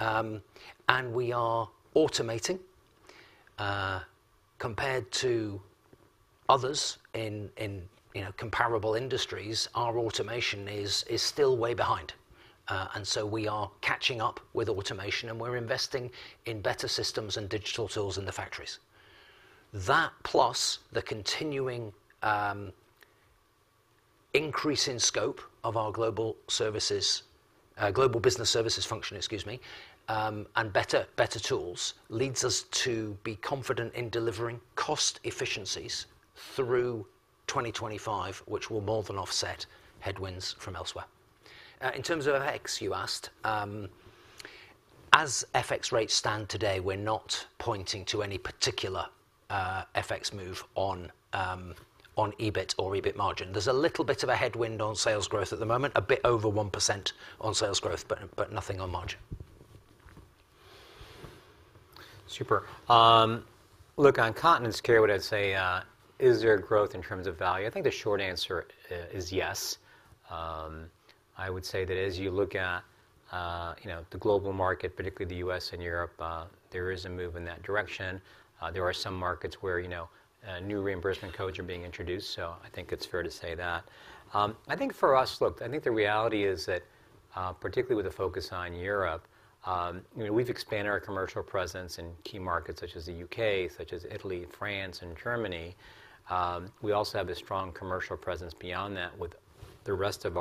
And we are automating. Compared to others in comparable industries, our automation is still way behind. And so we are catching up with automation, and we're investing in better systems and digital tools in the factories. That plus the continuing increase in scope of our global business services function, excuse me, and better tools leads us to be confident in delivering cost efficiencies through 2025, which will more than offset headwinds from elsewhere. In terms of FX, you asked, as FX rates stand today, we're not pointing to any particular FX move on EBIT or EBIT margin. There's a little bit of a headwind on sales growth at the moment, a bit over 1% on sales growth, but nothing on margin. Super. Look, on Continence Care, what I'd say is there growth in terms of value? I think the short answer is yes. I would say that as you look at the global market, particularly the U.S. and Europe, there is a move in that direction. There are some markets where new reimbursement codes are being introduced, so I think it's fair to say that. I think for us, look, I think the reality is that particularly with a focus on Europe, we've expanded our commercial presence in key markets such as the UK, such as Italy, France, and Germany. We also have a strong commercial presence beyond that with the rest of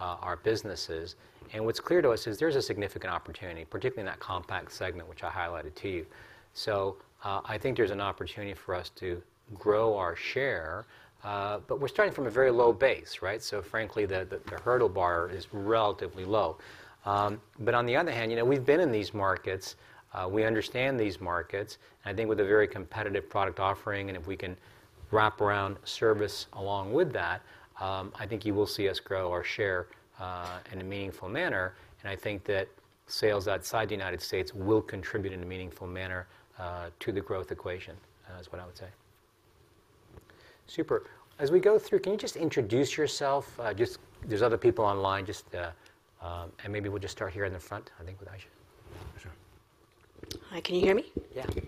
our businesses. And what's clear to us is there's a significant opportunity, particularly in that compact segment, which I highlighted to you. So I think there's an opportunity for us to grow our share, but we're starting from a very low base, right? So frankly, the hurdle bar is relatively low. But on the other hand, we've been in these markets. We understand these markets. And I think with a very competitive product offering and if we can wrap around service along with that, I think you will see us grow our share in a meaningful manner. And I think that sales outside the United States will contribute in a meaningful manner to the growth equation, is what I would say. Super. As we go through, can you just introduce yourself? Just, there's other people online, just and maybe we'll just start here in the front, I think, with Aisyah. Hi, can you hear me? Yeah, yeah.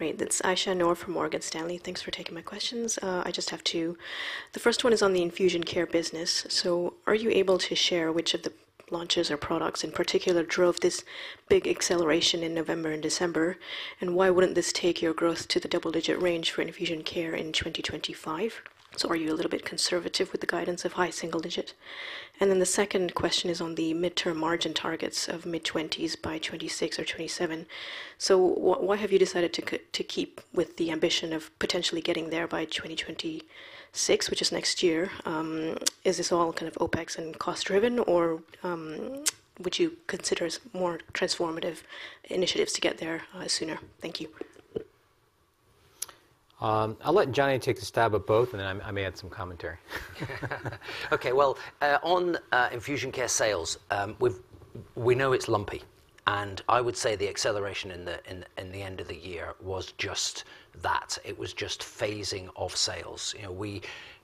Great. That's Aisyah Noor from Morgan Stanley. Thanks for taking my questions. I just have two. The first one is on the Infusion Care business. So are you able to share which of the launches or products in particular drove this big acceleration in November and December? And why wouldn't this take your growth to the double-digit range for Infusion Care in 2025? So are you a little bit conservative with the guidance of high single-digit? And then the second question is on the mid-term margin targets of mid-20s by 2026 or 2027. So why have you decided to keep with the ambition of potentially getting there by 2026, which is next year? Is this all kind of OpEx and cost-driven, or would you consider more transformative initiatives to get there sooner? Thank you. I'll let Jonny take the stab at both, and then I may add some commentary. Okay, well, on Infusion Care sales, we know it's lumpy. And I would say the acceleration in the end of the year was just that. It was just phasing of sales.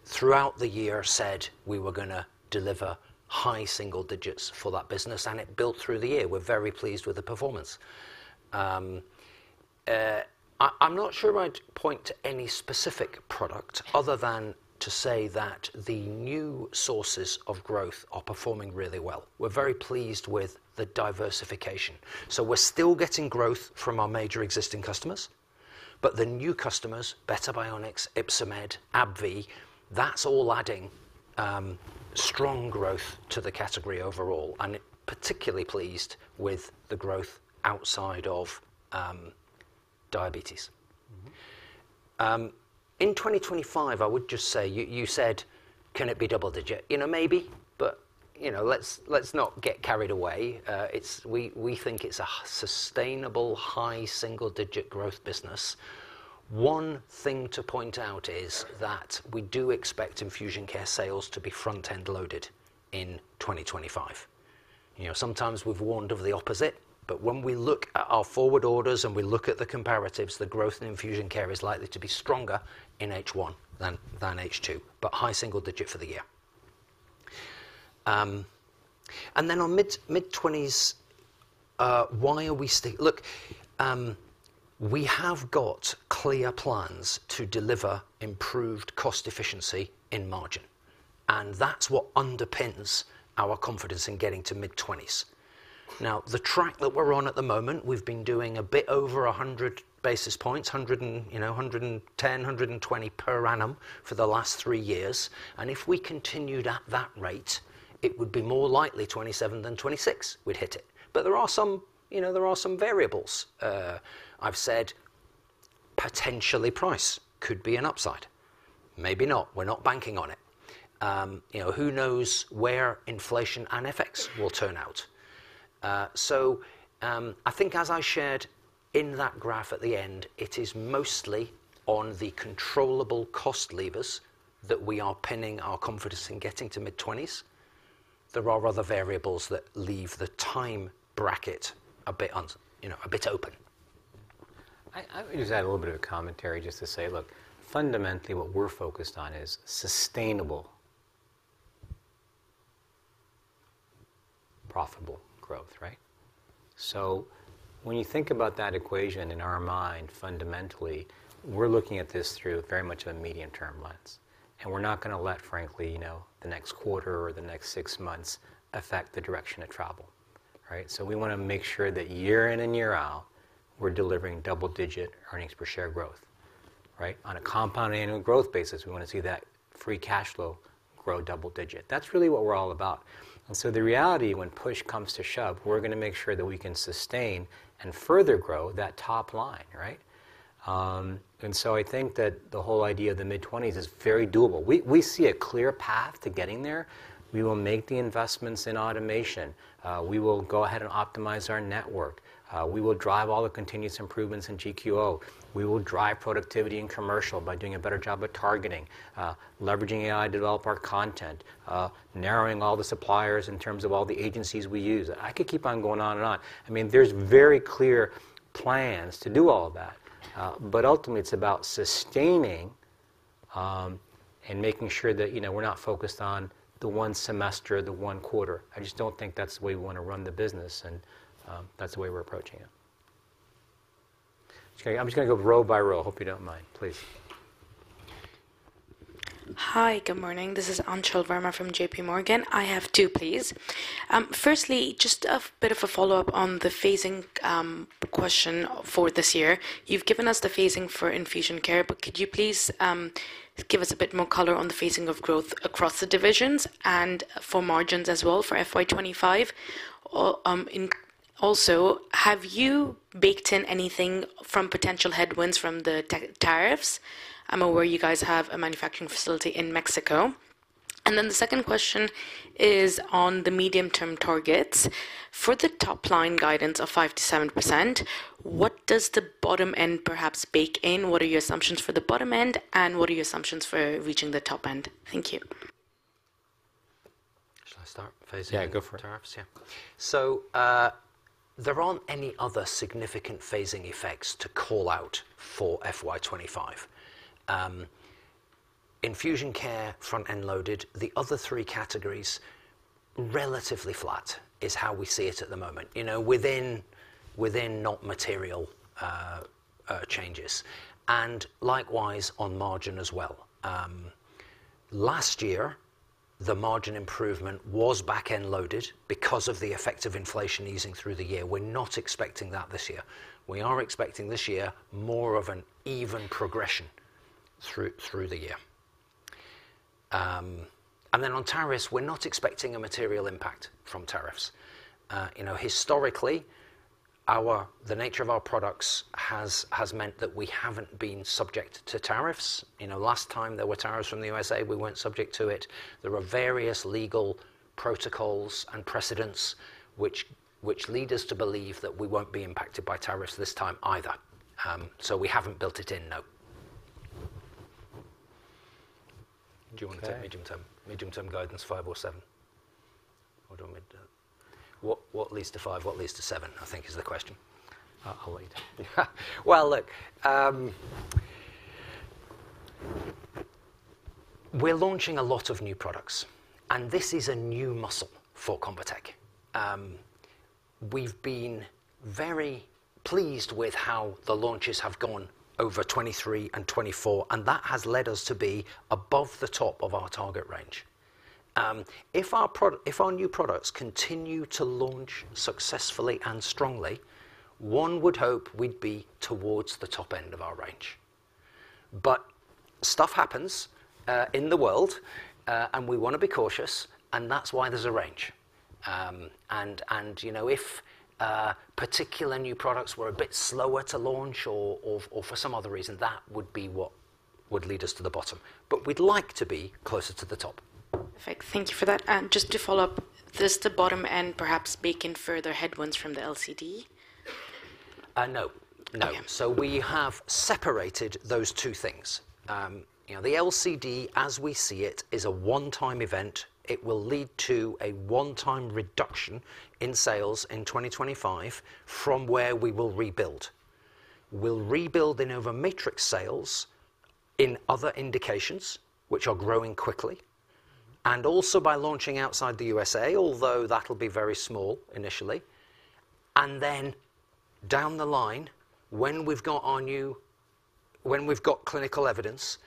Throughout the year, we said we were going to deliver high single digits for that business, and it built through the year. We're very pleased with the performance. I'm not sure I'd point to any specific product other than to say that the new sources of growth are performing really well. We're very pleased with the diversification. So we're still getting growth from our major existing customers, but the new customers, Beta Bionics, Ypsomed, AbbVie, that's all adding strong growth to the category overall. And particularly pleased with the growth outside of diabetes. In 2025, I would just say, you said, can it be double-digit? Maybe, but let's not get carried away. We think it's a sustainable high single-digit growth business. One thing to point out is that we do expect Infusion Care sales to be front-end loaded in 2025. Sometimes we've warned of the opposite, but when we look at our forward orders and we look at the comparatives, the growth in Infusion Care is likely to be stronger in H1 than H2, but high single-digit for the year. Then on mid-20s, why are we look, we have got clear plans to deliver improved cost efficiency in margin. And that's what underpins our confidence in getting to mid-20s. Now, the track that we're on at the moment, we've been doing a bit over 100 basis points, 110, 120 per annum for the last three years. And if we continued at that rate, it would be more likely 2027 than 2026 we'd hit it. But there are some variables. I've said potentially price could be an upside. Maybe not. We're not banking on it. Who knows where inflation and FX will turn out? So I think as I shared in that graph at the end, it is mostly on the controllable cost levers that we are pinning our confidence in getting to mid-20s. There are other variables that leave the time bracket a bit open. I would just add a little bit of commentary just to say, look, fundamentally, what we're focused on is sustainable profitable growth, right? So when you think about that equation in our mind, fundamentally, we're looking at this through very much a medium-term lens. And we're not going to let, frankly, the next quarter or the next six months affect the direction of travel, right? So we want to make sure that year in and year out, we're delivering double-digit earnings per share growth, right? On a compound annual growth basis, we want to see that free cash flow grow double-digit. That's really what we're all about. And so the reality, when push comes to shove, we're going to make sure that we can sustain and further grow that top line, right? And so I think that the whole idea of the mid-20s is very doable. We see a clear path to getting there. We will make the investments in automation. We will go ahead and optimize our network. We will drive all the continuous improvements in GQO. We will drive productivity in commercial by doing a better job at targeting, leveraging AI to develop our content, narrowing all the suppliers in terms of all the agencies we use. I could keep on going on and on. I mean, there's very clear plans to do all of that. But ultimately, it's about sustaining and making sure that we're not focused on the one semester, the one quarter. I just don't think that's the way we want to run the business, and that's the way we're approaching it. I'm just going to go row by row. Hope you don't mind, please. Hi, good morning. This is Anchal Verma from J.P. Morgan. I have two, please. Firstly, just a bit of a follow-up on the phasing question for this year. You've given us the phasing for Infusion Care, but could you please give us a bit more color on the phasing of growth across the divisions and for margins as well for FY25? Also, have you baked in anything from potential headwinds from the tariffs? I'm aware you guys have a manufacturing facility in Mexico. And then the second question is on the medium-term targets. For the top line guidance of 5%-7%, what does the bottom end perhaps bake in? What are your assumptions for the bottom end, and what are your assumptions for reaching the top end? Thank you. Shall I start? Yeah, go for it. Tariffs, yeah. So there aren't any other significant phasing effects to call out for FY25. Infusion care, front-end loaded, the other three categories relatively flat is how we see it at the moment, within not material changes, and likewise on margin as well. Last year, the margin improvement was back-end loaded because of the effect of inflation easing through the year. We're not expecting that this year. We are expecting this year more of an even progression through the year. Then on tariffs, we're not expecting a material impact from tariffs. Historically, the nature of our products has meant that we haven't been subject to tariffs. Last time there were tariffs from the USA, we weren't subject to it. There are various legal protocols and precedents which lead us to believe that we won't be impacted by tariffs this time either. So we haven't built it in, no. (crosstalk) Do you want to take medium-term? Medium-term guidance, five or seven? What leads to five? What leads to seven, I think, is the question. I'll let you take it. Well, look, we're launching a lot of new products, and this is a new muscle for Convatec. We've been very pleased with how the launches have gone over 2023 and 2024, and that has led us to be above the top of our target range. If our new products continue to launch successfully and strongly, one would hope we'd be towards the top end of our range. But stuff happens in the world, and we want to be cautious, and that's why there's a range. And if particular new products were a bit slower to launch or for some other reason, that would be what would lead us to the bottom. But we'd like to be closer to the top. Perfect. Thank you for that. And just to follow up, does the bottom end perhaps bake in further headwinds from the LCD? No. No. So we have separated those two things. The LCD, as we see it, is a one-time event. It will lead to a one-time reduction in sales in 2025 from where we will rebuild. We'll rebuild in InnovaMatrix sales in other indications, which are growing quickly, and also by launching outside the USA, although that'll be very small initially. And then down the line, when we've got our new, when we've got clinical evidence,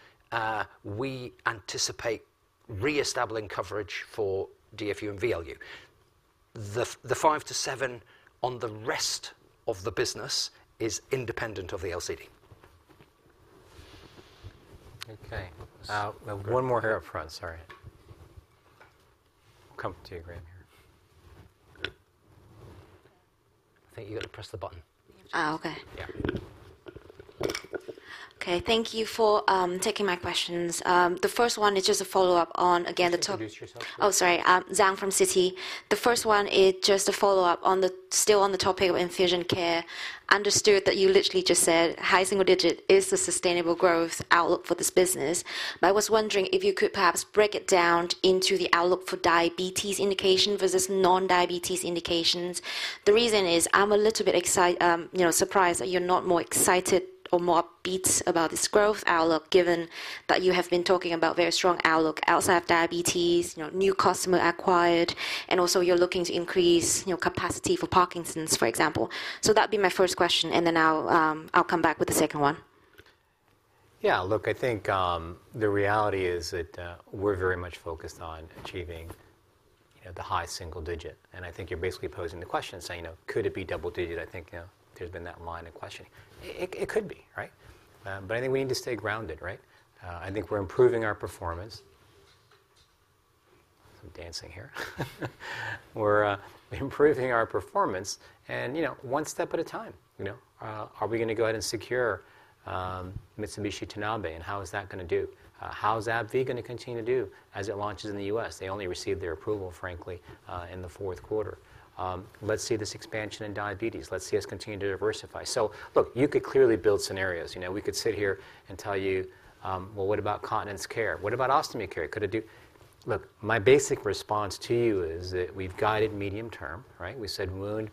we anticipate re-establishing coverage for DFU and VLU. The five to seven on the rest of the business is independent of the LCD. Okay. One more here up front, sorry. Come to your mic here. I think you got to press the button. Oh, okay. Yeah. Okay, thank you for taking my questions. The first one is just a follow-up on, again, the topic. Introduce yourself. Oh, sorry. Giang from Citi. The first one is just a follow-up on, still on the topic of Infusion Care. Understood that you literally just said high single digit is the sustainable growth outlook for this business. But I was wondering if you could perhaps break it down into the outlook for diabetes indication versus non-diabetes indications. The reason is I'm a little bit surprised that you're not more excited or more upbeat about this growth outlook given that you have been talking about very strong outlook outside of diabetes, new customer acquired, and also you're looking to increase capacity for Parkinson's, for example. So that'd be my first question, and then I'll come back with the second one. Yeah, look, I think the reality is that we're very much focused on achieving the high single digit. And I think you're basically posing the question saying, could it be double-digit? I think there's been that line of questioning. It could be, right? But I think we need to stay grounded, right? I think we're improving our performance. Some dancing here. We're improving our performance and one step at a time. Are we going to go ahead and secure Mitsubishi Tanabe? And how is that going to do? How's AbbVie going to continue to do as it launches in the U.S.? They only received their approval, frankly, in the fourth quarter. Let's see this expansion in diabetes. Let's see us continue to diversify. So look, you could clearly build scenarios. We could sit here and tell you, well, what about Continence Care? What about Ostomy Care? Could it do? Look, my basic response to you is that we've guided medium-term, right? We said wound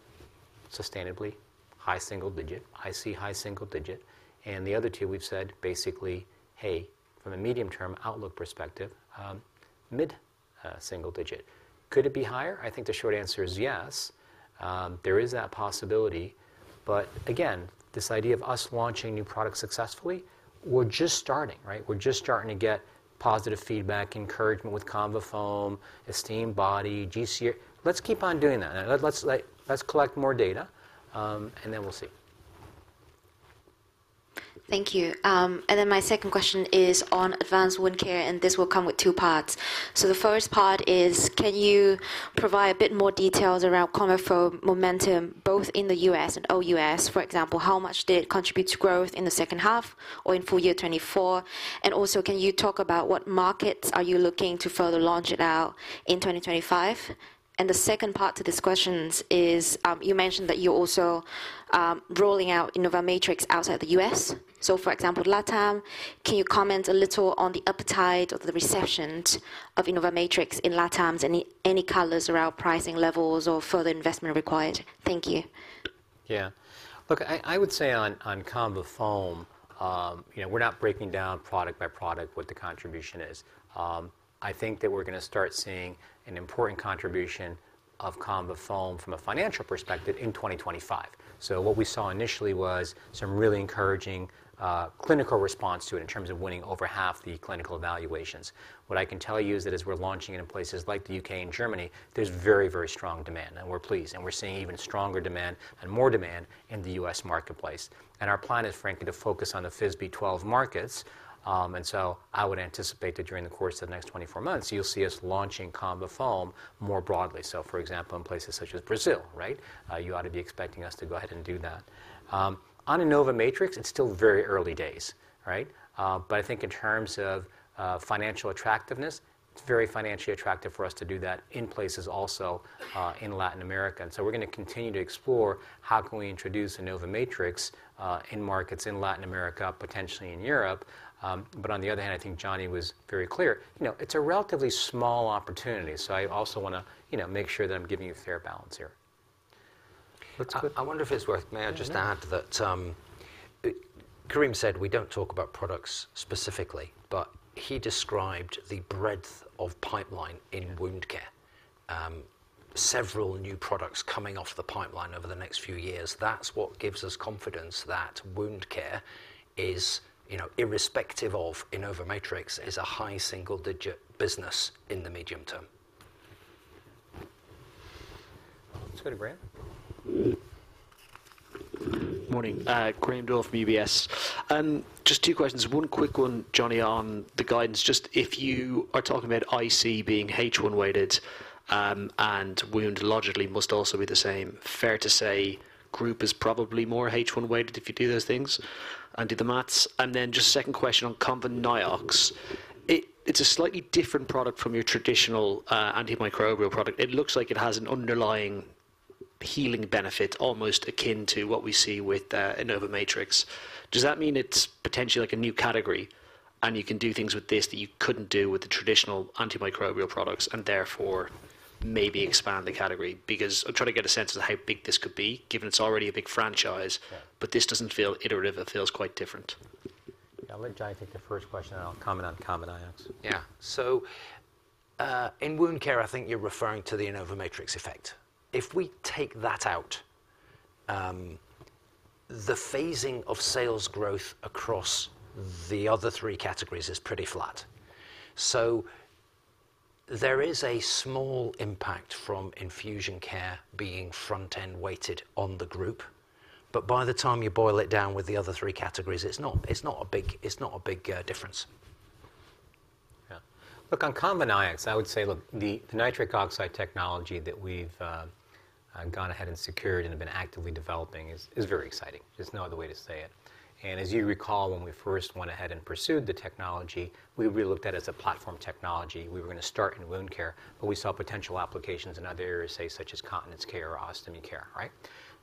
sustainably, high single-digit, I see high single-digit. And the other two, we've said basically, hey, from a medium-term outlook perspective, mid single-digit. Could it be higher? I think the short answer is yes. There is that possibility. But again, this idea of us launching new products successfully, we're just starting, right? We're just starting to get positive feedback, encouragement with ConvaFoam, Esteem Body, GC Air. Let's keep on doing that. Let's collect more data, and then we'll see. Thank you. And then my second question is on Advanced Wound Care, and this will come with two parts. So the first part is, can you provide a bit more details around ConvaFoam momentum both in the US and OUS? For example, how much did it contribute to growth in the second half or in full year 2024? And also, can you talk about what markets are you looking to further launch it out in 2025? And the second part to this question is, you mentioned that you're also rolling out InnovaMatrix outside the US. So for example, LATAM, can you comment a little on the appetite or the reception of InnovaMatrix in LATAMs and any colors around pricing levels or further investment required? Thank you. Yeah. Look, I would say on ConvaFoam, we're not breaking down product by product what the contribution is. I think that we're going to start seeing an important contribution of ConvaFoam from a financial perspective in 2025, so what we saw initially was some really encouraging clinical response to it in terms of winning over half the clinical evaluations. What I can tell you is that as we're launching it in places like the U.K. and Germany, there's very, very strong demand, and we're pleased, and we're seeing even stronger demand and more demand in the U.S. marketplace, and our plan is, frankly, to focus on the top 12 markets, and so I would anticipate that during the course of the next 24 months, you'll see us launching ConvaFoam more broadly, so for example, in places such as Brazil, right? You ought to be expecting us to go ahead and do that. On InnovaMatrix, it's still very early days, right? But I think in terms of financial attractiveness, it's very financially attractive for us to do that in places also in Latin America. And so we're going to continue to explore how can we introduce InnovaMatrix in markets in Latin America, potentially in Europe. But on the other hand, I think Jonny was very clear. It's a relatively small opportunity. So I also want to make sure that I'm giving you fair balance here. I wonder if it's worth, may I just add that Karim said we don't talk about products specifically, but he described the breadth of pipeline in wound care. Several new products coming off the pipeline over the next few years. That's what gives us confidence that wound care is, irrespective of InnovaMatrix, is a high single-digit business in the medium term. Let's go to Graham. Morning. Graham Doyle from UBS. Just two questions. One quick one, Jonny, on the guidance. Just if you are talking about IC being H1 weighted and wound logically must also be the same, fair to say group is probably more H1 weighted if you do those things and do the maths. And then just second question on ConvaNiox. It's a slightly different product from your traditional antimicrobial product. It looks like it has an underlying healing benefit almost akin to what we see with InnovaMatrix. Does that mean it's potentially like a new category and you can do things with this that you couldn't do with the traditional antimicrobial products and therefore maybe expand the category? Because I'm trying to get a sense of how big this could be given it's already a big franchise, but this doesn't feel iterative. It feels quite different. I'll let Jonny take the first question and I'll comment on ConvaNiox. Yeah. So in wound care, I think you're referring to the InnovaMatrix effect. If we take that out, the phasing of sales growth across the other three categories is pretty flat. So there is a small impact from Infusion Care being front-end weighted on the group. But by the time you boil it down with the other three categories, it's not a big difference. Yeah. Look, on ConvaNiox, I would say, look, the nitric oxide technology that we've gone ahead and secured and have been actively developing is very exciting. There's no other way to say it. As you recall, when we first went ahead and pursued the technology, we really looked at it as a platform technology. We were going to start in wound care, but we saw potential applications in other areas, say, such as Continence Care or Ostomy Care, right?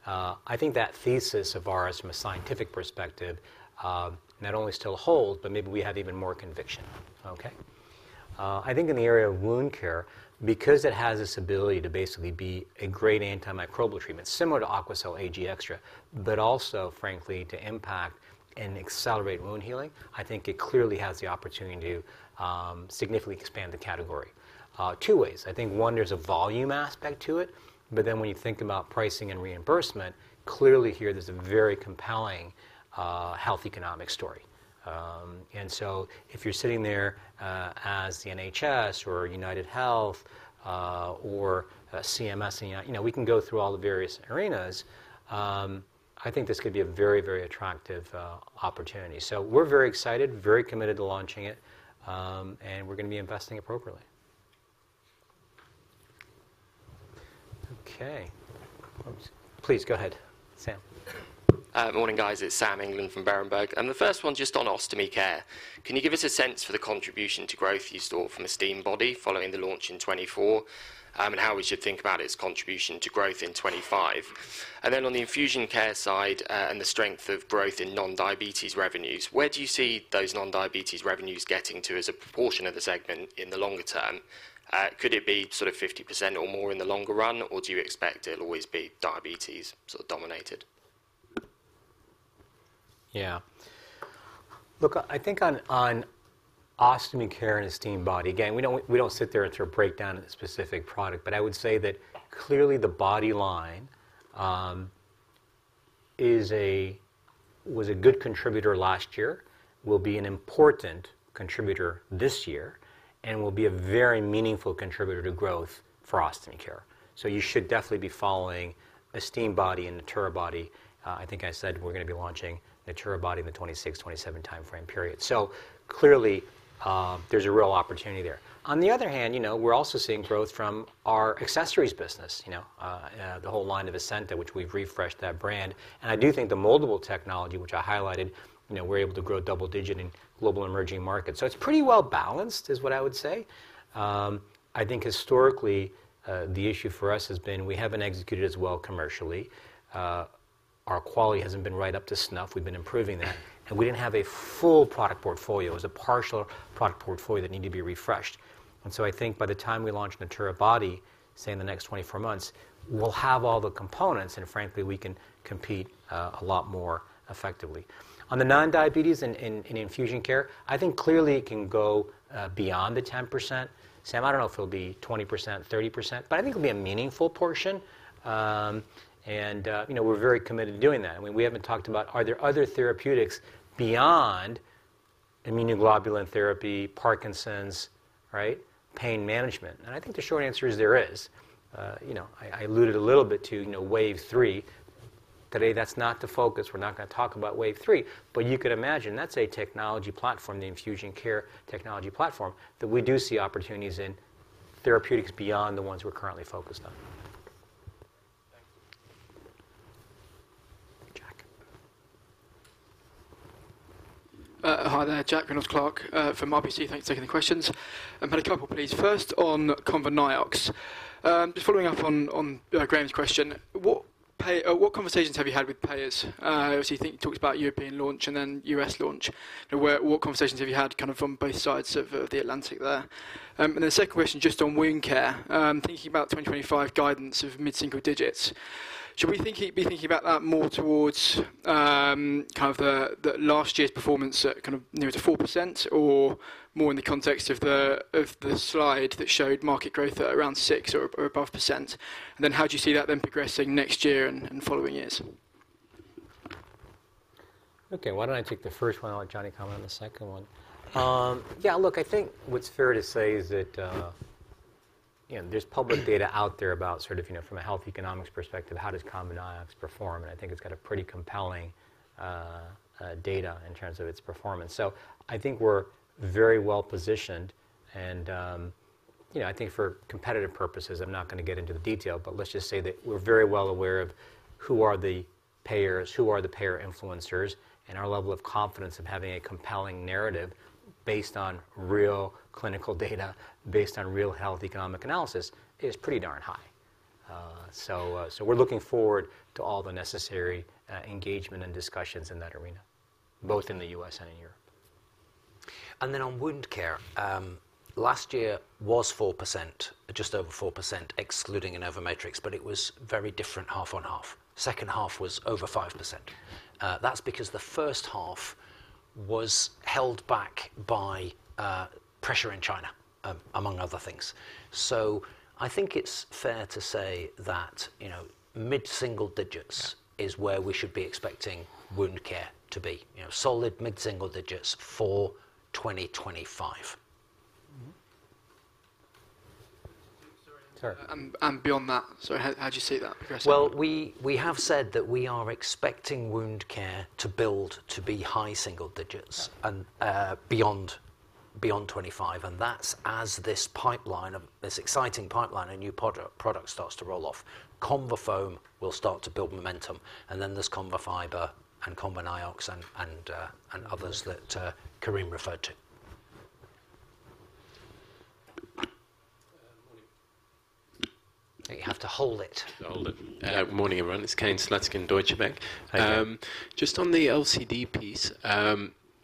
I think that thesis of ours from a scientific perspective not only still holds, but maybe we have even more conviction, okay? I think in the area of wound care, because it has this ability to basically be a great antimicrobial treatment similar to Aquacel Ag Extra, but also, frankly, to impact and accelerate wound healing, I think it clearly has the opportunity to significantly expand the category two ways. I think one, there's a volume aspect to it, but then when you think about pricing and reimbursement, clearly here there's a very compelling health economic story. And so if you're sitting there as the NHS or UnitedHealth or CMS, we can go through all the various arenas. I think this could be a very, very attractive opportunity. So we're very excited, very committed to launching it, and we're going to be investing appropriately. Okay. Please go ahead, Sam. Morning, guys. It's Sam England from Berenberg. And the first one just on Ostomy Care. Can you give us a sense for the contribution to growth you saw from Esteem Body following the launch in 2024 and how we should think about its contribution to growth in 2025? And then on the Infusion Care side and the strength of growth in non-diabetes revenues, where do you see those non-diabetes revenues getting to as a proportion of the segment in the longer term? Could it be sort of 50% or more in the longer run, or do you expect it'll always be diabetes sort of dominated? Yeah. Look, I think on Ostomy Care and Esteem Body, again, we don't sit there and sort of break down a specific product, but I would say that clearly the body line was a good contributor last year, will be an important contributor this year, and will be a very meaningful contributor to growth for Ostomy Care. So you should definitely be following Esteem Body and Natura Body. I think I said we're going to be launching Natura Body in the 2026, 2027 timeframe period. So clearly there's a real opportunity there. On the other hand, we're also seeing growth from our accessories business, the whole line of Esenta, which we've refreshed that brand. I do think the Moldable Technology, which I highlighted, we're able to grow double-digit in global emerging markets. It's pretty well balanced is what I would say. I think historically the issue for us has been we haven't executed as well commercially. Our quality hasn't been right up to snuff. We've been improving that. We didn't have a full product portfolio. It was a partial product portfolio that needed to be refreshed. I think by the time we launch Natura Body, say in the next 24 months, we'll have all the components and frankly, we can compete a lot more effectively. On the non-diabetes and Infusion Care, I think clearly it can go beyond the 10%. Sam, I don't know if it'll be 20%, 30%, but I think it'll be a meaningful portion. We're very committed to doing that. I mean, we haven't talked about are there other therapeutics beyond immunoglobulin therapy, Parkinson's, right? Pain management, and I think the short answer is there is. I alluded a little bit to wave three. Today, that's not the focus. We're not going to talk about wave three, but you could imagine that's a technology platform, the Infusion Care technology platform that we do see opportunities in therapeutics beyond the ones we're currently focused on. Jack. Hi there, Jack Reynolds-Clark from RBC. Thanks for taking the questions. I've had a couple, please. First on ConvaNiox. Just following up on Graham's question, what conversations have you had with payers? Obviously, you think you talked about European launch and then U.S. launch. What conversations have you had kind of from both sides of the Atlantic there? And then second question, just on wound care, thinking about 2025 guidance of mid-single digits, should we be thinking about that more towards kind of last year's performance kind of near to 4% or more in the context of the slide that showed market growth at around 6% or above? And then how do you see that then progressing next year and following years? Okay, why don't I take the first one and let Jonny comment on the second one? Yeah, look, I think what's fair to say is that there's public data out there about sort of from a health economics perspective, how does ConvaNiox perform? And I think it's got a pretty compelling data in terms of its performance. So I think we're very well positioned. I think for competitive purposes, I'm not going to get into the detail, but let's just say that we're very well aware of who are the payers, who are the payer influencers, and our level of confidence of having a compelling narrative based on real clinical data, based on real health economic analysis is pretty darn high. So we're looking forward to all the necessary engagement and discussions in that arena, both in the U.S. and in Europe. And then on wound care, last year was 4%, just over 4% excluding InnovaMatrix, but it was very different half on half. Second half was over 5%. That's because the first half was held back by pressure in China, among other things. So I think it's fair to say that mid-single digits is where we should be expecting wound care to be, solid mid-single digits for 2025. Sorry. And beyond that, sorry, how do you see that progressing? Well, we have said that we are expecting wound care to build to be high single digits and beyond 25. And that's as this pipeline, this exciting pipeline, a new product starts to roll off. ConvaFoam will start to build momentum. And then there's ConvaFiber and ConvaNiox and others that Karim referred to. You have to hold it. Hold it. Morning, everyone. It's Kane Slutzkin, Deutsche Bank. Just on the LCD piece,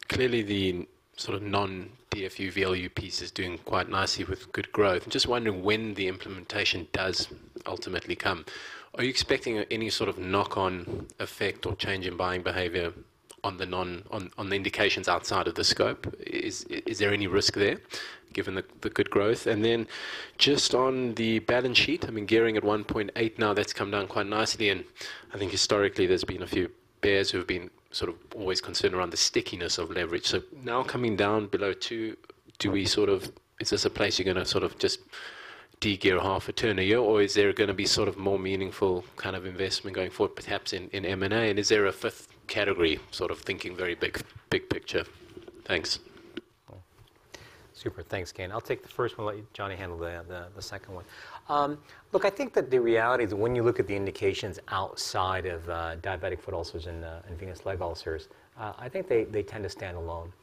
clearly the sort of non-DFU VLU piece is doing quite nicely with good growth. I'm just wondering when the implementation does ultimately come. Are you expecting any sort of knock-on effect or change in buying behavior on the indications outside of the scope? Is there any risk there given the good growth? Then just on the balance sheet, I mean, gearing at 1.8 now, that's come down quite nicely. I think historically there's been a few bears who have been sort of always concerned around the stickiness of leverage. So now coming down below two, do we sort of, is this a place you're going to sort of just de-gear half a turn a year or is there going to be sort of more meaningful kind of investment going forward, perhaps in M&A? And is there a fifth category sort of thinking very big picture? Thanks. Super. Thanks, Kane. I'll take the first one, let Jonny handle the second one. Look, I think that the reality is when you look at the indications outside of diabetic foot ulcers and venous leg ulcers, I think they tend to stand alone.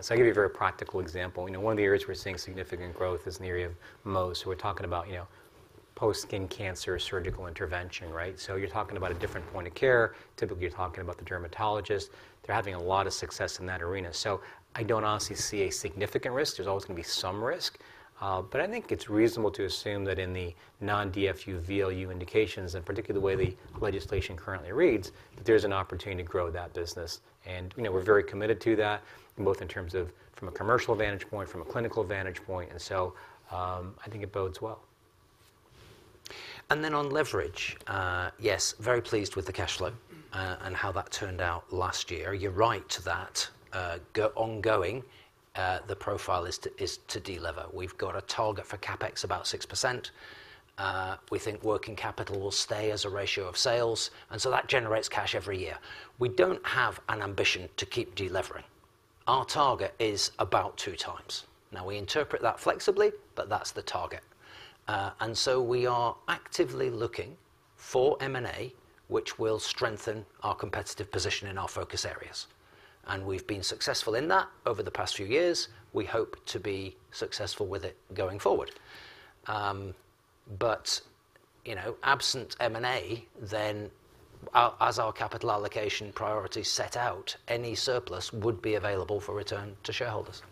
So I'll give you a very practical example. One of the areas we're seeing significant growth is in the area of Mohs. So we're talking about post-skin cancer surgical intervention, right? So you're talking about a different point of care. Typically, you're talking about the dermatologist. They're having a lot of success in that arena. So I don't honestly see a significant risk. There's always going to be some risk. But I think it's reasonable to assume that in the non-DFU VLU indications and particularly the way the legislation currently reads, that there's an opportunity to grow that business. And we're very committed to that, both in terms of from a commercial vantage point, from a clinical vantage point. And so I think it bodes well. And then on leverage, yes, very pleased with the cash flow and how that turned out last year. You're right that ongoing, the profile is to deliver. We've got a target for CapEx about 6%. We think working capital will stay as a ratio of sales. And so that generates cash every year. We don't have an ambition to keep delivering. Our target is about two times. Now, we interpret that flexibly, but that's the target. And so we are actively looking for M&A, which will strengthen our competitive position in our focus areas. And we've been successful in that over the past few years. We hope to be successful with it going forward. But absent M&A, then as our capital allocation priority set out, any surplus would be available for return to shareholders.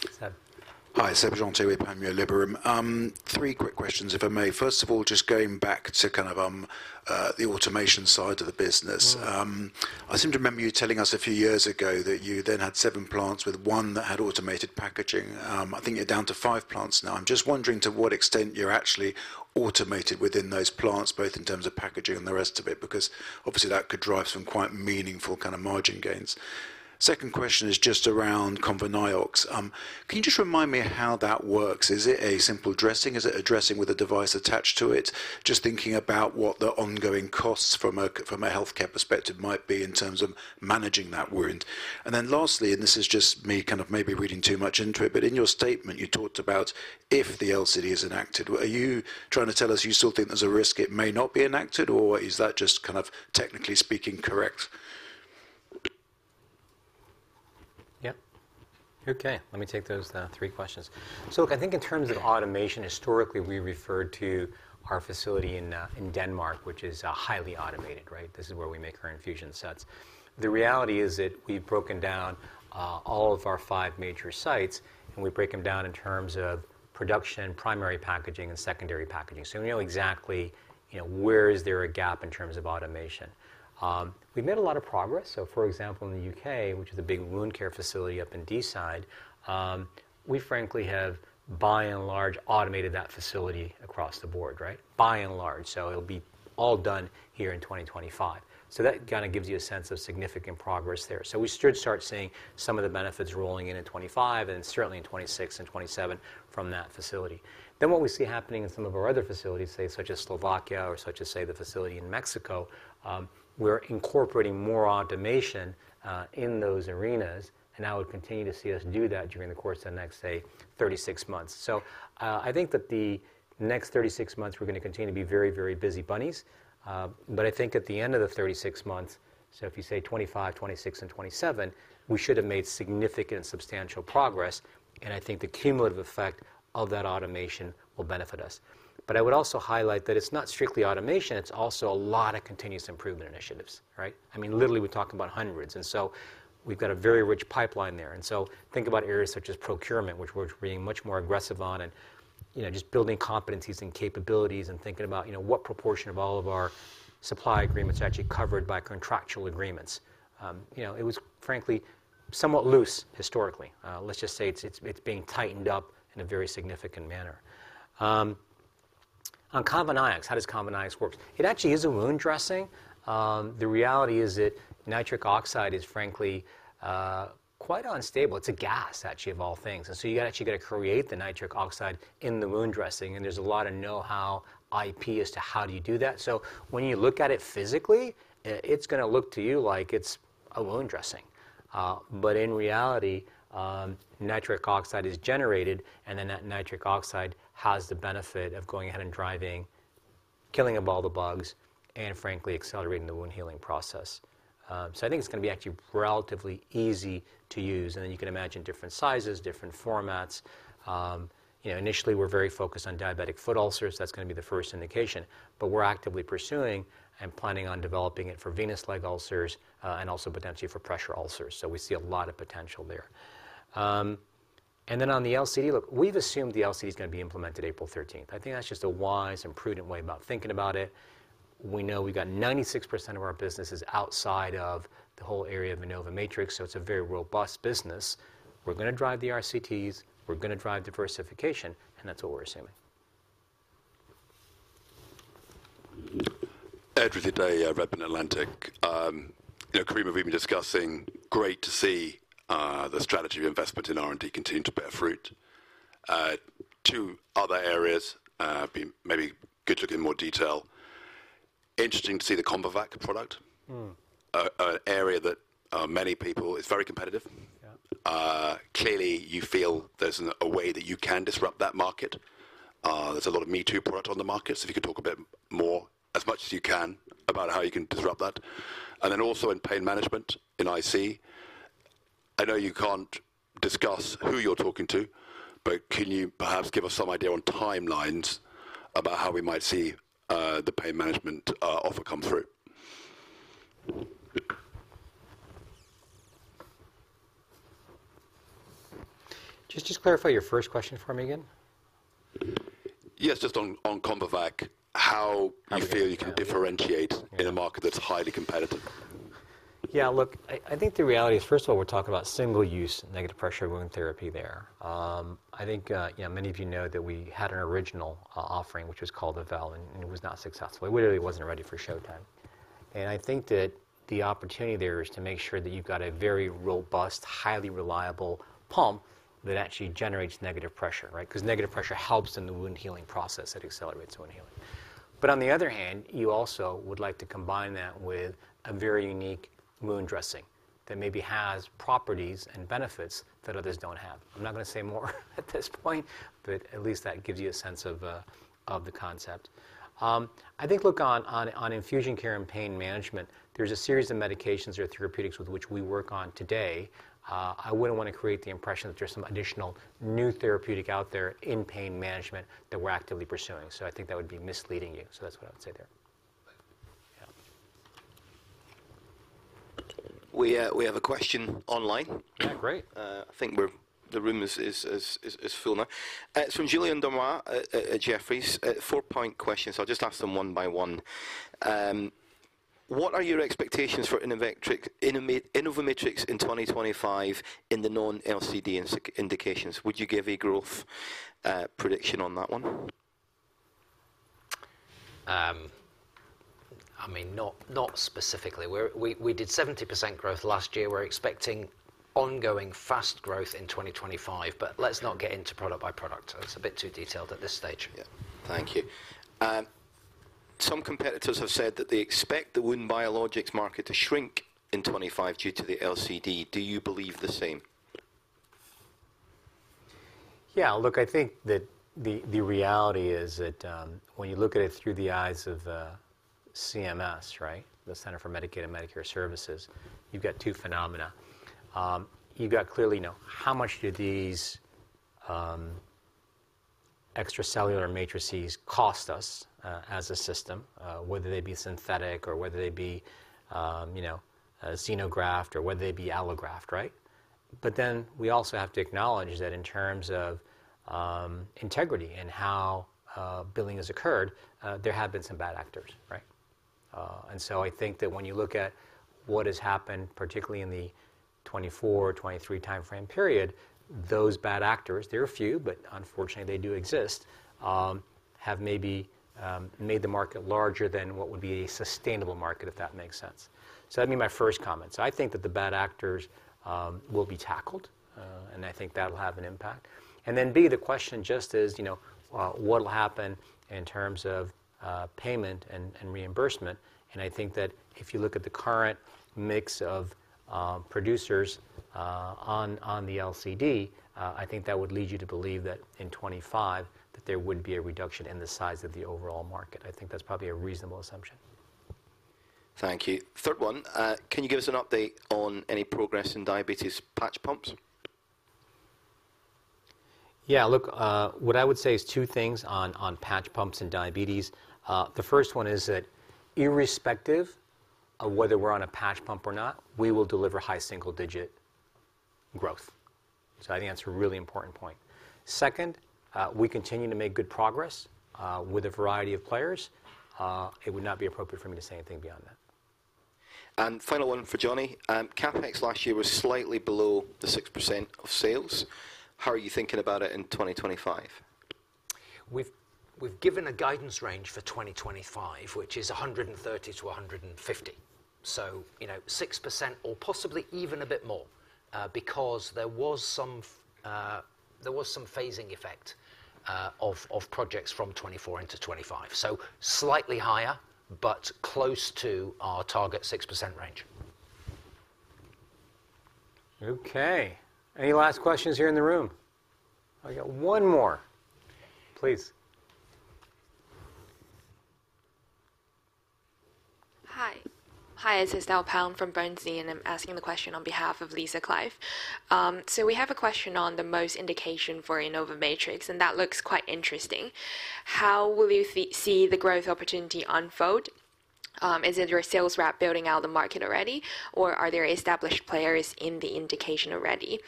Thanks. Hi, Seb Jantet at Panmure Liberum. Three quick questions, if I may. First of all, just going back to kind of the automation side of the business. I seem to remember you telling us a few years ago that you then had seven plants with one that had automated packaging. I think you're down to five plants now. I'm just wondering to what extent you're actually automated within those plants, both in terms of packaging and the rest of it, because obviously that could drive some quite meaningful kind of margin gains. Second question is just around ConvaNiox. Can you just remind me how that works? Is it a simple dressing? Is it a dressing with a device attached to it? Just thinking about what the ongoing costs from a healthcare perspective might be in terms of managing that wound. And then lastly, and this is just me kind of maybe reading too much into it, but in your statement, you talked about if the LCD is enacted. Are you trying to tell us you still think there's a risk it may not be enacted, or is that just kind of technically speaking correct? Yep. Okay. Let me take those three questions. So look, I think in terms of automation, historically, we referred to our facility in Denmark, which is highly automated, right? This is where we make our infusion sets. The reality is that we've broken down all of our five major sites, and we break them down in terms of production, primary packaging, and secondary packaging. So we know exactly where is there a gap in terms of automation. We've made a lot of progress. So for example, in the UK, which is a big wound care facility up in Deeside, we frankly have by and large automated that facility across the board, right? By and large. So it'll be all done here in 2025. So that kind of gives you a sense of significant progress there. So we should start seeing some of the benefits rolling in in 2025 and certainly in 2026 and 2027 from that facility. Then what we see happening in some of our other facilities, say such as Slovakia or such as say the facility in Mexico, we're incorporating more automation in those arenas. And now we'll continue to see us do that during the course of the next, say, 36 months. So I think that the next 36 months, we're going to continue to be very, very busy bunnies. But I think at the end of the 36 months, so if you say 2025, 2026, and 2027, we should have made significant and substantial progress. And I think the cumulative effect of that automation will benefit us. But I would also highlight that it's not strictly automation. It's also a lot of continuous improvement initiatives, right? I mean, literally, we're talking about hundreds. And so we've got a very rich pipeline there. And so think about areas such as procurement, which we're being much more aggressive on and just building competencies and capabilities and thinking about what proportion of all of our supply agreements are actually covered by contractual agreements. It was frankly somewhat loose historically. Let's just say it's being tightened up in a very significant manner. On ConvaNiox, how does ConvaNiox work? It actually is a wound dressing. The reality is that nitric oxide is frankly quite unstable. It's a gas, actually, of all things. And so you actually got to create the nitric oxide in the wound dressing. And there's a lot of know-how IP as to how do you do that. So when you look at it physically, it's going to look to you like it's a wound dressing. But in reality, nitric oxide is generated, and then that nitric oxide has the benefit of going ahead and driving, killing of all the bugs, and frankly, accelerating the wound healing process. So I think it's going to be actually relatively easy to use. And then you can imagine different sizes, different formats. Initially, we're very focused on diabetic foot ulcers. That's going to be the first indication. But we're actively pursuing and planning on developing it for venous leg ulcers and also potentially for pressure ulcers. So we see a lot of potential there. And then on the LCD, look, we've assumed the LCD is going to be implemented April 13th. I think that's just a wise and prudent way about thinking about it. We know we've got 96% of our businesses outside of the whole area of InnovaMatrix. So it's a very robust business. We're going to drive the RCTs. We're going to drive diversification. And that's what we're assuming. Ed Ridley-Day with Redburn Atlantic. Karim, have you even discussed. Great to see the strategy of investment in R&D continue to bear fruit. Two other areas may be good to look in more detail. Interesting to see the ConvaVac product, an area that many people is very competitive. Clearly, you feel there's a way that you can disrupt that market. There's a lot of me-too product on the market. So if you could talk a bit more, as much as you can, about how you can disrupt that. And then also in pain management in IC. I know you can't discuss who you're talking to, but can you perhaps give us some idea on timelines about how we might see the pain management offer come through? Just to clarify your first question for me again. Yes, just on ConvaVac, how do you feel you can differentiate in a market that's highly competitive? Yeah, look, I think the reality is, first of all, we're talking about single-use negative pressure wound therapy there. I think many of you know that we had an original offering, which was called Avelle, and it was not successful. It really wasn't ready for showtime. I think that the opportunity there is to make sure that you've got a very robust, highly reliable pump that actually generates negative pressure, right? Because negative pressure helps in the wound healing process. It accelerates wound healing. But on the other hand, you also would like to combine that with a very unique wound dressing that maybe has properties and benefits that others don't have. I'm not going to say more at this point, but at least that gives you a sense of the concept. I think look on Infusion Care and pain management, there's a series of medications or therapeutics with which we work on today. I wouldn't want to create the impression that there's some additional new therapeutic out there in pain management that we're actively pursuing. So I think that would be misleading you. So that's what I would say there. We have a question online. Yeah, great. I think the room is full now. It's from Julien Dormois at Jefferies. Four-point questions. I'll just ask them one by one. What are your expectations for InnovaMatrix in 2025 in the non-LCD indications? Would you give a growth prediction on that one? I mean, not specifically. We did 70% growth last year. We're expecting ongoing fast growth in 2025. But let's not get into product by product. It's a bit too detailed at this stage. Yeah. Thank you. Some competitors have said that they expect the wound biologics market to shrink in 2025 due to the LCD. Do you believe the same? Yeah, look, I think that the reality is that when you look at it through the eyes of CMS, right, the Centers for Medicare & Medicaid Services, you've got two phenomena. You've got clearly how much do these extracellular matrices cost us as a system, whether they be synthetic or whether they be xenograft or whether they be allograft, right? But then we also have to acknowledge that in terms of integrity and how billing has occurred, there have been some bad actors, right? And so I think that when you look at what has happened, particularly in the 2024, 2023 timeframe period, those bad actors, there are a few, but unfortunately, they do exist, have maybe made the market larger than what would be a sustainable market, if that makes sense. So that'd be my first comment. So I think that the bad actors will be tackled, and I think that'll have an impact. And then B, the question just is, what'll happen in terms of payment and reimbursement? And I think that if you look at the current mix of producers on the LCD, I think that would lead you to believe that in 2025, that there would be a reduction in the size of the overall market. I think that's probably a reasonable assumption. Thank you. Third one, can you give us an update on any progress in diabetes patch pumps? Yeah, look, what I would say is two things on patch pumps and diabetes. The first one is that irrespective of whether we're on a patch pump or not, we will deliver high single-digit growth. So I think that's a really important point. Second, we continue to make good progress with a variety of players. It would not be appropriate for me to say anything beyond that. And final one for Jonny. CapEx last year was slightly below the 6% of sales. How are you thinking about it in 2025? We've given a guidance range for 2025, which is 130-150. So 6% or possibly even a bit more because there was some phasing effect of projects from 2024 into 2025. So slightly higher, but close to our target 6% range. Okay. Any last questions here in the room? I got one more. Please. Hi. Hi, this is Estelle Pang from Bernstein, and I'm asking the question on behalf of Lisa Clive. So we have a question on the main indication for InnovaMatrix, and that looks quite interesting. How will you see the growth opportunity unfold? Is there a sales rep building out the market already, or are there established players in the indication already?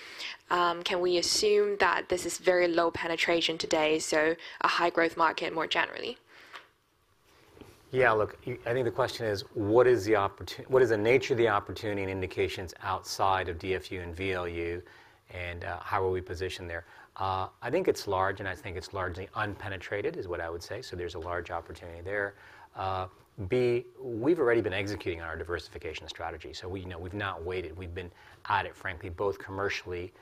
Can we assume that this is very low penetration today, so a high-growth market more generally? Yeah, look, I think the question is, what is the nature of the opportunity and indications outside of DFU and VLU, and how are we positioned there? I think it's large, and I think it's largely unpenetrated is what I would say. So there's a large opportunity there. B, we've already been executing on our diversification strategy. So we've not waited. We've been at it, frankly, both commercially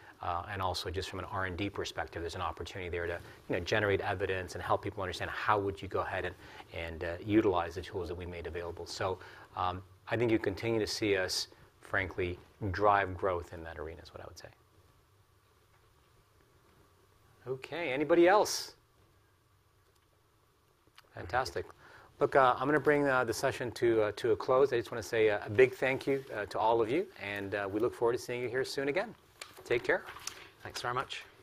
and also just from an R&D perspective. There's an opportunity there to generate evidence and help people understand how would you go ahead and utilize the tools that we made available. So I think you continue to see us, frankly, drive growth in that arena is what I would say. Okay. Anybody else? Fantastic. Look, I'm going to bring the session to a close. I just want to say a big thank you to all of you, and we look forward to seeing you here soon again. Take care. Thanks very much.